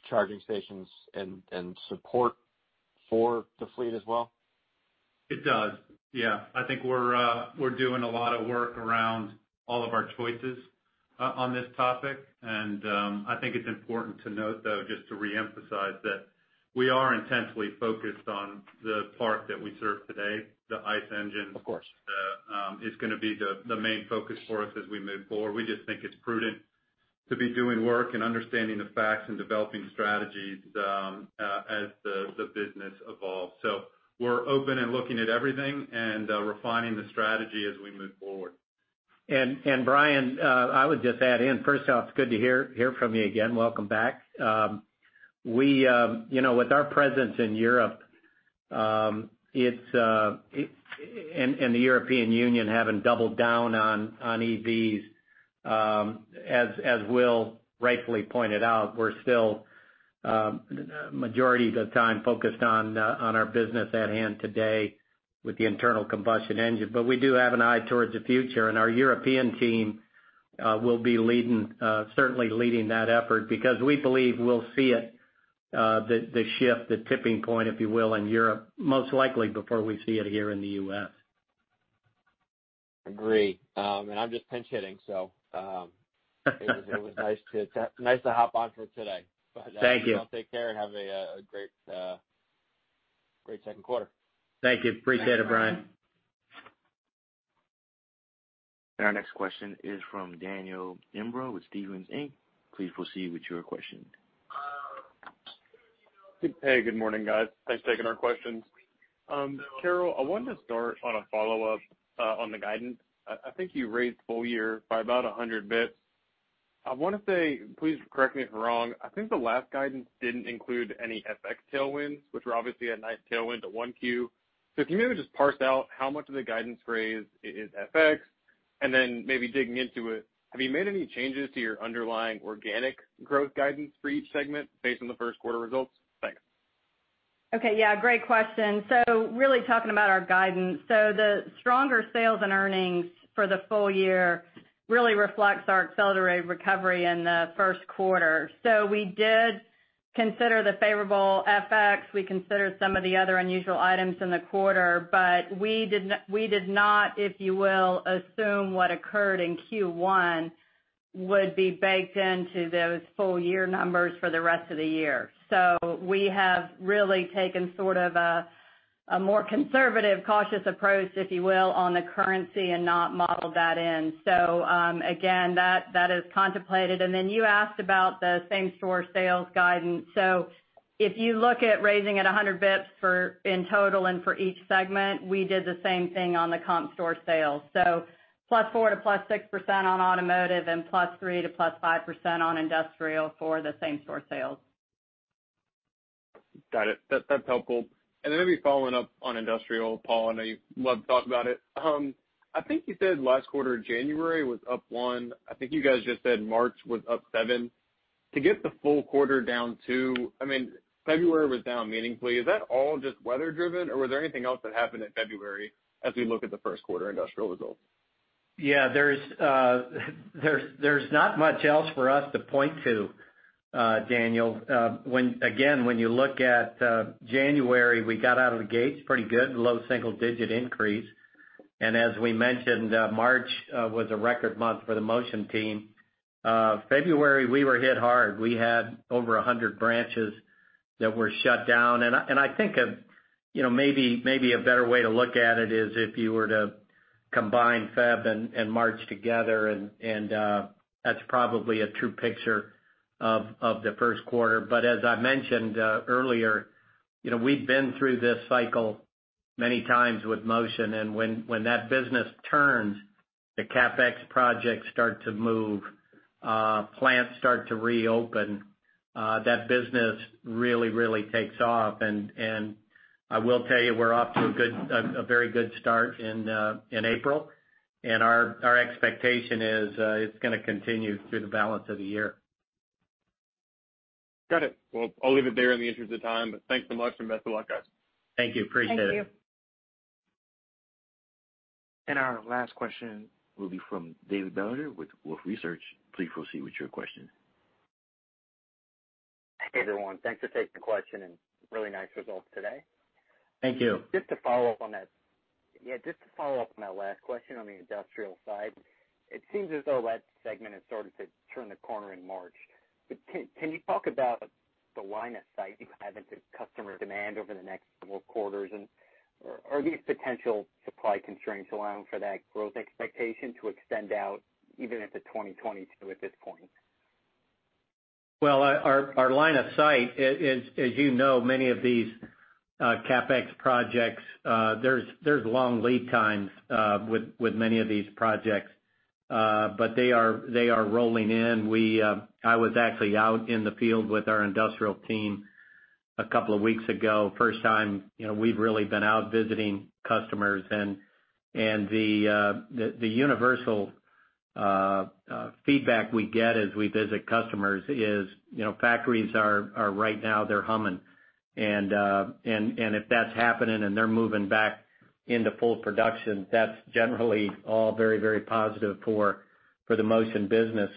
charging stations and support for the fleet as well? It does, yeah. I think we're doing a lot of work around all of our choices on this topic. I think it's important to note, though, just to reemphasize, that we are intensely focused on the part that we serve today, the ICE engine. Of course. is going to be the main focus for us as we move forward. We just think it's prudent to be doing work and understanding the facts and developing strategies as the business evolves. We're open and looking at everything and refining the strategy as we move forward. Brian, I would just add in, first off, it's good to hear from you again. Welcome back. With our presence in Europe, and the European Union having doubled down on EVs, as Will rightfully pointed out, we're still, majority of the time, focused on our business at hand today with the internal combustion engine. We do have an eye towards the future, and our European team will be certainly leading that effort because we believe we'll see it, the shift, the tipping point, if you will, in Europe, most likely before we see it here in the U.S. Agree. I'm just pinch hitting, it was nice to hop on for today. Thank you. you all take care and have a great second quarter. Thank you. Appreciate it, Brian. Our next question is from Daniel Imbro with Stephens Inc. Please proceed with your question. Hey, good morning, guys. Thanks for taking our questions. Carol, I wanted to start on a follow-up on the guidance. I think you raised full year by about 100 basis points. I want to say, please correct me if I'm wrong, I think the last guidance didn't include any FX tailwinds, which were obviously a nice tailwind to 1Q. If you maybe just parse out how much of the guidance raise is FX, and then maybe digging into it, have you made any changes to your underlying organic growth guidance for each segment based on the first quarter results? Thanks. Okay. Yeah, great question. Really talking about our guidance. The stronger sales and earnings for the full year really reflects our accelerated recovery in the first quarter. We did consider the favorable FX, we considered some of the other unusual items in the quarter, but we did not, if you will, assume what occurred in Q1 would be baked into those full-year numbers for the rest of the year. We have really taken sort of a more conservative, cautious approach, if you will, on the currency and not modeled that in. Again, that is contemplated. You asked about the same-store sales guidance. If you look at raising it 100 basis points in total and for each segment, we did the same thing on the comp store sales. +4% to +6% on automotive and +3% to +5% on industrial for the same store sales. Got it. That's helpful. Maybe following up on industrial, Paul, I know you love to talk about it. I think you said last quarter, January was up one. I think you guys just said March was up seven. To get the full quarter down two, February was down meaningfully. Is that all just weather driven, or was there anything else that happened in February as we look at the first quarter industrial results? Yeah. There's not much else for us to point to, Daniel. Again, when you look at January, we got out of the gates pretty good, low single-digit increase. As we mentioned, March was a record month for the Motion team. February, we were hit hard. We had over 100 branches that were shut down. I think maybe a better way to look at it is if you were to combine Feb and March together, that's probably a true picture of the first quarter. As I mentioned earlier, we've been through this cycle many times with Motion, when that business turns, the CapEx projects start to move, plants start to reopen. That business really takes off. I will tell you, we're off to a very good start in April, our expectation is it's going to continue through the balance of the year. Got it. Well, I'll leave it there in the interest of time, but thanks so much, and best of luck, guys. Thank you. Appreciate it. Thank you. Our last question will be from David Benatar with Wolfe Research. Please proceed with your question. Hey, everyone. Thanks for taking the question. Really nice results today. Thank you. Just to follow up on that last question on the industrial side, it seems as though that segment has started to turn the corner in March. Can you talk about the line of sight you have into customer demand over the next several quarters? Are these potential supply constraints allowing for that growth expectation to extend out even into 2022 at this point? Well, our line of sight is, as you know, many of these CapEx projects, there's long lead times with many of these projects. They are rolling in. I was actually out in the field with our industrial team a couple of weeks ago. First time we've really been out visiting customers, and the universal feedback we get as we visit customers is factories are right now they're humming. If that's happening and they're moving back into full production, that's generally all very positive for the Motion business.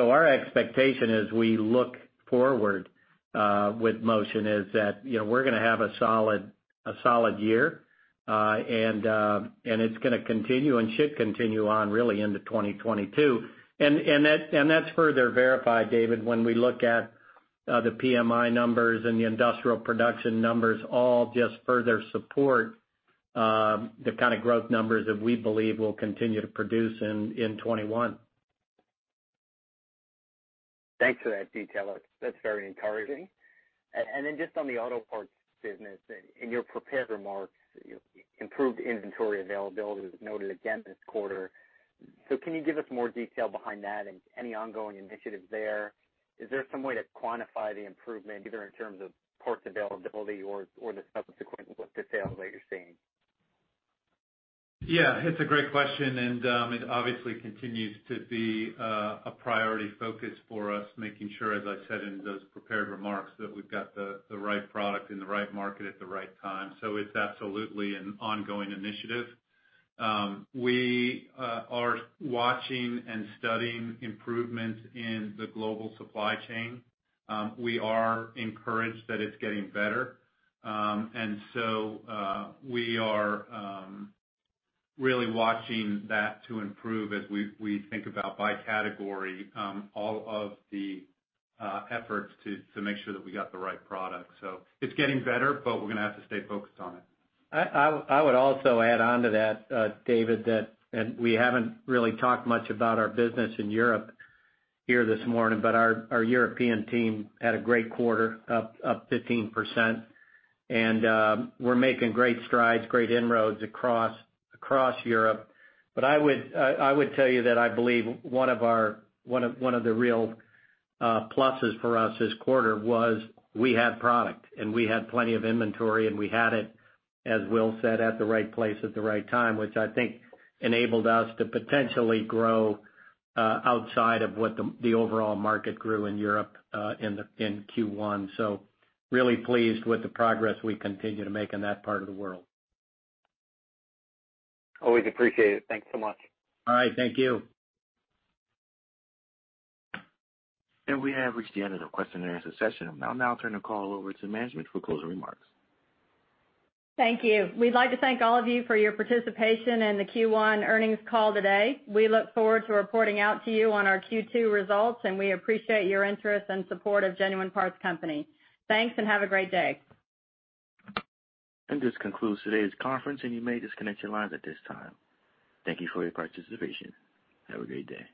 Our expectation as we look forward with Motion is that we're going to have a solid year, and it's going to continue and should continue on really into 2022. That's further verified, David, when we look at the PMI numbers and the industrial production numbers all just further support the kind of growth numbers that we believe we'll continue to produce in 2021. Thanks for that detail. That's very encouraging. Then just on the auto parts business, in your prepared remarks, improved inventory availability was noted again this quarter. Can you give us more detail behind that and any ongoing initiatives there? Is there some way to quantify the improvement, either in terms of parts availability or the subsequent book details that you're seeing? Yeah, it's a great question. It obviously continues to be a priority focus for us, making sure, as I said in those prepared remarks, that we've got the right product in the right market at the right time. It's absolutely an ongoing initiative. We are watching and studying improvements in the global supply chain. We are encouraged that it's getting better. We are really watching that to improve as we think about by category, all of the efforts to make sure that we got the right product. It's getting better, we're going to have to stay focused on it. I would also add onto that, David Benatar, that we haven't really talked much about our business in Europe here this morning, but our European team had a great quarter, up 15%. We're making great strides, great inroads across Europe. I would tell you that I believe one of the real pluses for us this quarter was we had product and we had plenty of inventory, and we had it, as Will Stengel said, at the right place at the right time, which I think enabled us to potentially grow outside of what the overall market grew in Europe in Q1. Really pleased with the progress we continue to make in that part of the world. Always appreciate it. Thanks so much. All right. Thank you. We have reached the end of the question and answer session. I'll now turn the call over to management for closing remarks. Thank you. We'd like to thank all of you for your participation in the Q1 earnings call today. We look forward to reporting out to you on our Q2 results, and we appreciate your interest and support of Genuine Parts Company. Thanks and have a great day. This concludes today's conference. You may disconnect your lines at this time. Thank you for your participation. Have a great day.